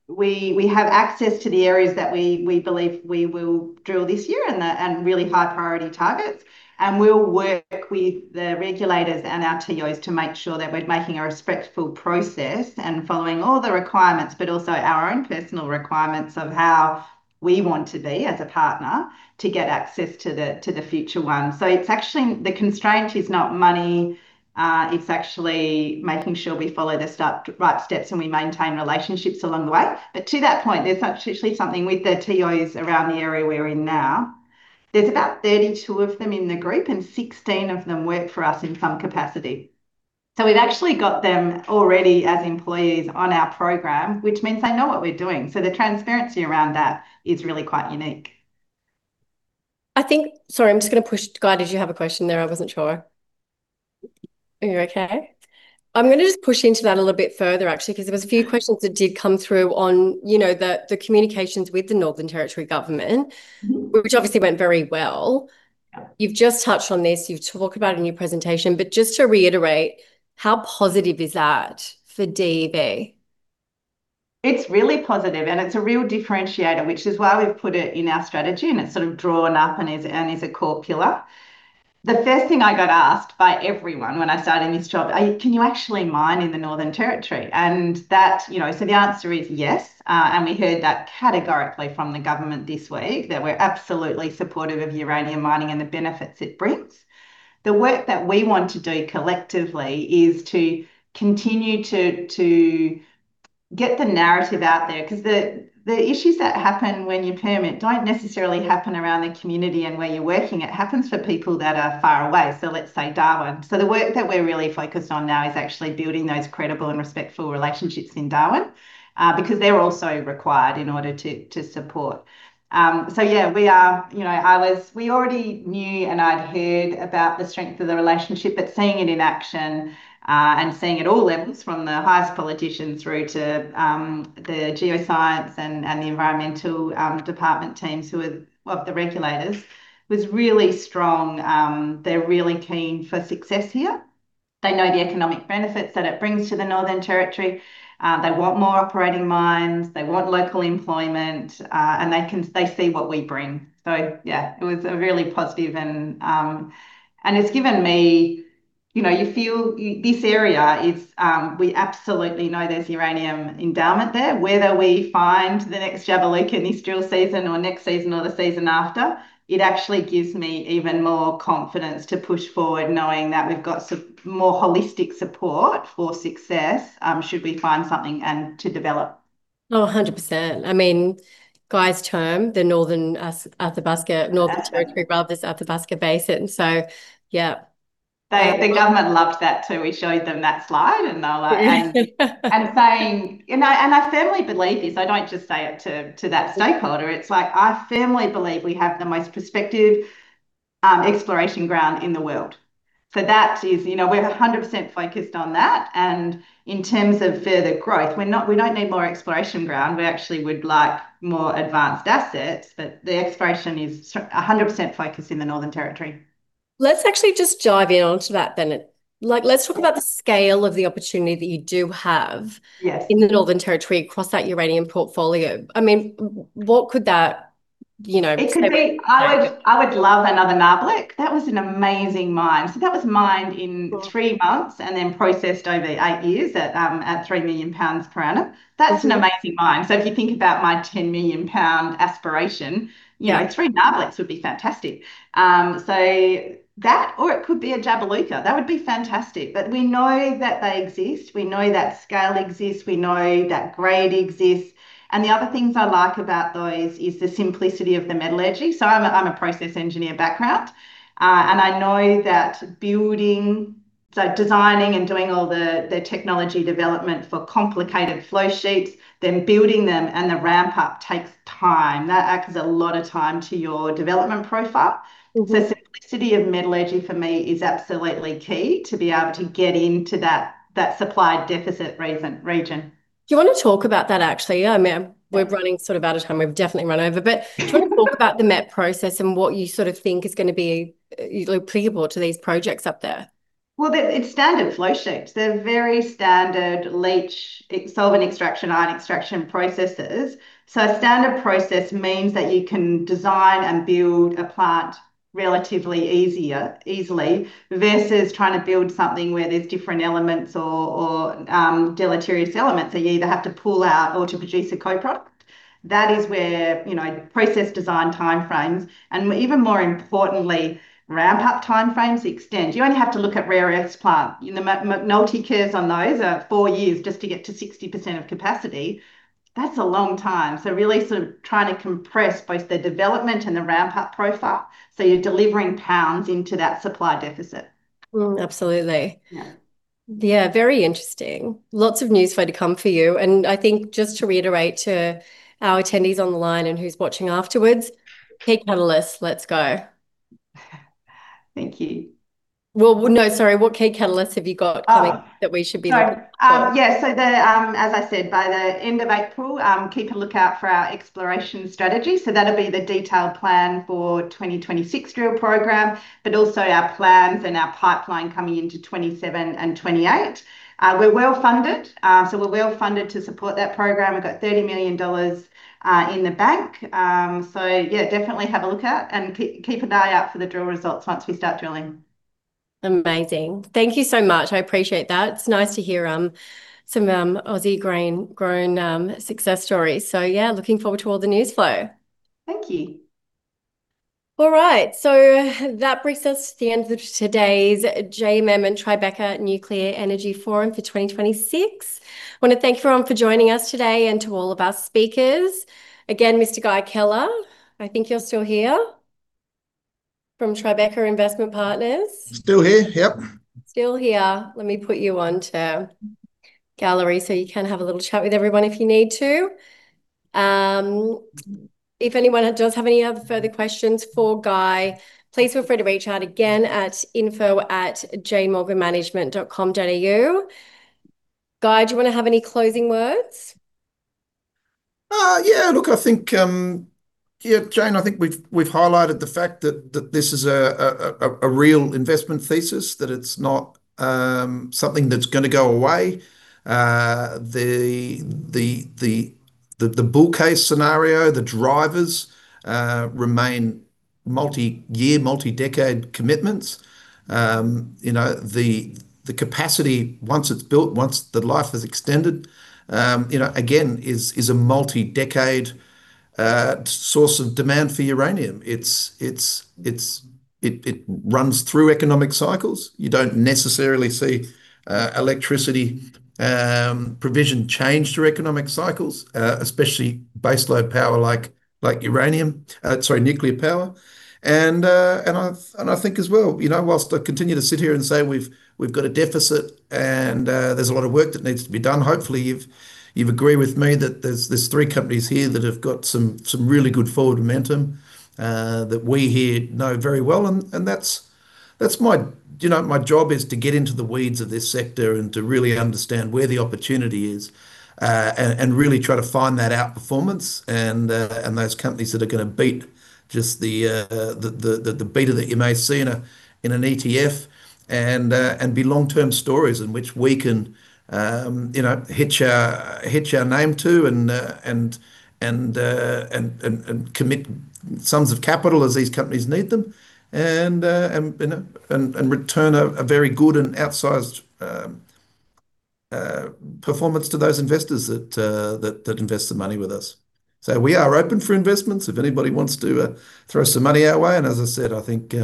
We have access to the areas that we believe we will drill this year, and really high priority targets, and we'll work with the regulators and our TOs to make sure that we're making a respectful process and following all the requirements, but also our own personal requirements of how we want to be as a partner to get access to the future one. It's actually the constraint is not money. It's actually making sure we follow the right steps, and we maintain relationships along the way. To that point, there's actually something with the TOs around the area we're in now. There's about 32 of them in the group, and 16 of them work for us in some capacity. We've actually got them already as employees on our program, which means they know what we're doing. The transparency around that is really quite unique. Sorry, I'm just gonna push. Guy, did you have a question there? I wasn't sure. Are you okay? I'm gonna just push into that a little bit further actually because there was a few questions that did come through on, you know, the communications with the Northern Territory Government. Mm-hmm. Which obviously went very well. Yeah. You've just touched on this, you talk about it in your presentation, but just to reiterate, how positive is that for DEV? It's really positive, and it's a real differentiator, which is why we've put it in our strategy, and it's sort of drawn up and is a core pillar. The first thing I got asked by everyone when I started this job, "Can you actually mine in the Northern Territory?" That, you know, the answer is yes, and we heard that categorically from the government this week, that we're absolutely supportive of uranium mining and the benefits it brings. The work that we want to do collectively is to continue to get the narrative out there because the issues that happen when you permit don't necessarily happen around the community and where you're working. It happens for people that are far away, so let's say Darwin. The work that we're really focused on now is actually building those credible and respectful relationships in Darwin, because they're also required in order to support. We already knew, and I'd heard about the strength of the relationship, but seeing it in action, and seeing at all levels, from the highest politicians through to the geoscience and the environmental department teams who are, well, the regulators, was really strong. They're really keen for success here. They know the economic benefits that it brings to the Northern Territory. They want more operating mines. They want local employment, and they see what we bring. It was really positive, and it's given me... You know, you feel, this area is, we absolutely know there's uranium endowment there. Whether we find the next Jabiluka in this drill season or next season or the season after, it actually gives me even more confidence to push forward knowing that we've got more holistic support for success, should we find something and to develop. Oh, 100%. I mean, Guy's term, the Northern Athabasca- Yeah. Northern Territory, rather, is Athabasca Basin, so yeah. The government loved that too. We showed them that slide, and they were like, saying. You know, I firmly believe this. I don't just say it to that stakeholder. It's like I firmly believe we have the most prospective exploration ground in the world. That is. You know, we're 100% focused on that, and in terms of further growth, we're not, we don't need more exploration ground. We actually would like more advanced assets, but the exploration is 100% focused in the Northern Territory. Let's actually just dive in onto that then. Like, let's talk about the scale of the opportunity that you do have. Yes.... in the Northern Territory across that uranium portfolio. I mean, what could that, you know, could that It could be. I would love another Nabarlek. That was an amazing mine. That was mined in three months and then processed over eight years at 3 million lbs per annum. That's an amazing mine. If you think about my 10-million-lbs aspiration, you know, three Nabarleks would be fantastic. That, or it could be a Jabiluka. That would be fantastic, but we know that they exist. We know that scale exists. We know that grade exists, and the other things I like about those is the simplicity of the metallurgy. I'm a process engineer background, and I know that building, so designing and doing all the technology development for complicated flow sheets, then building them and the ramp-up takes time. That adds a lot of time to your development profile. Mm-hmm. Simplicity of metallurgy for me is absolutely key to be able to get into that supply deficit in the region. Do you want to talk about that actually? I mean, we're running sort of out of time. We've definitely run over. Do you want to talk about the met process and what you sort of think is gonna be applicable to these projects up there? Well, it's standard flow sheets. They're very standard leach and extraction, ion extraction processes. A standard process means that you can design and build a plant relatively easily, versus trying to build something where there's different elements or deleterious elements that you either have to pull out or to produce a co-product. That is where, you know, process design timeframes and, even more importantly, ramp-up timeframes extend. You only have to look at Rare Earths plant. You know, the Nolan curves on those are four years just to get to 60% of capacity. That's a long time. Really sort of trying to compress both the development and the ramp-up profile, so you're delivering pounds into that supply deficit. Absolutely. Yeah. Yeah, very interesting. Lots of news flow to come for you. I think just to reiterate to our attendees on the line and who's watching afterwards, key catalysts, let's go. Thank you. Well, no, sorry, what key catalysts have you got coming- Ah. That we should be looking for? Yeah, as I said, by the end of April, keep a lookout for our exploration strategy. That'll be the detailed plan for 2026 drill program, but also our plans and our pipeline coming into 2027 and 2028. We're well-funded. We're well-funded to support that program. We've got 30 million dollars in the bank. Yeah, definitely have a look out and keep an eye out for the drill results once we start drilling. Amazing. Thank you so much. I appreciate that. It's nice to hear some Aussie grain-grown success stories. Yeah, looking forward to all the news flow. Thank you. All right, that brings us to the end of today's JMM and Tribeca Nuclear Energy Forum for 2026. Wanna thank everyone for joining us today and to all of our speakers. Again, Mr. Guy Keller, I think you're still here, from Tribeca Investment Partners. Still here, yep. Still here. Let me put you onto gallery so you can have a little chat with everyone if you need to. If anyone does have any other further questions for Guy, please feel free to reach out again at info@janemorganmanagement.com.au. Guy, do you wanna have any closing words? Yeah, look, I think, yeah, Jane, I think we've highlighted the fact that this is a real investment thesis, that it's not something that's gonna go away. The bull case scenario, the drivers remain multi-year, multi-decade commitments. You know, the capacity, once it's built, once the life is extended, you know, again, is a multi-decade source of demand for uranium. It runs through economic cycles. You don't necessarily see electricity provision change through economic cycles, especially baseload power like uranium, sorry, nuclear power. I think as well, you know, while I continue to sit here and say we've got a deficit and there's a lot of work that needs to be done, hopefully you've agreed with me that there's three companies here that have got some really good forward momentum that we here know very well. That's my... You know, my job is to get into the weeds of this sector and to really understand where the opportunity is, and really try to find that out-performance and those companies that are gonna beat just the beta that you may see in an ETF and be long-term stories in which we can, you know, hitch our name to and commit sums of capital as these companies need them and return a very good and outsized performance to those investors that invest their money with us. So we are open for investments if anybody wants to throw some money our way. As I said, I think,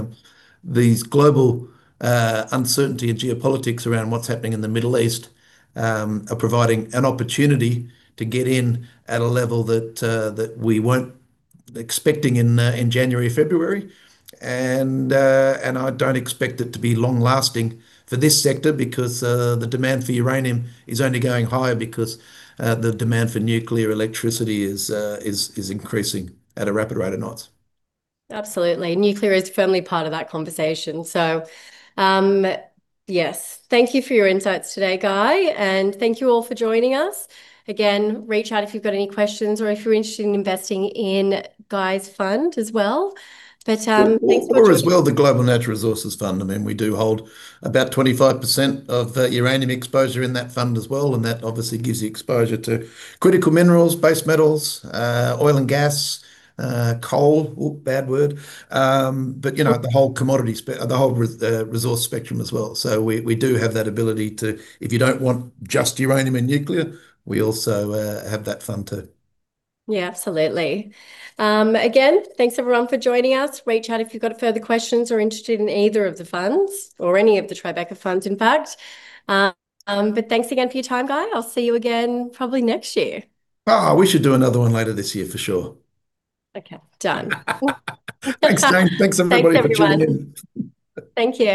these global uncertainty and geopolitics around what's happening in the Middle East are providing an opportunity to get in at a level that that we weren't expecting in in January, February. I don't expect it to be long-lasting for this sector because the demand for uranium is only going higher because the demand for nuclear electricity is increasing at a rapid rate of knots. Absolutely. Nuclear is firmly part of that conversation. Yes. Thank you for your insights today, Guy, and thank you all for joining us. Again, reach out if you've got any questions or if you're interested in investing in Guy's fund as well. Thanks so much for joining. As well, the Global Natural Resources Fund. I mean, we do hold about 25% of uranium exposure in that fund as well, and that obviously gives you exposure to critical minerals, base metals, oil and gas, coal, bad word. But, you know, the whole resource spectrum as well. We do have that ability to, if you don't want just uranium and nuclear, we also have that fund too. Yeah, absolutely. Again, thanks everyone for joining us. Reach out if you've got further questions or are interested in either of the funds or any of the Tribeca funds, in fact. Thanks again for your time, Guy. I'll see you again probably next year. Oh, we should do another one later this year for sure. Okay, done. Thanks, Jane. Thanks, everybody, for tuning in. Thanks, everyone. Thank you.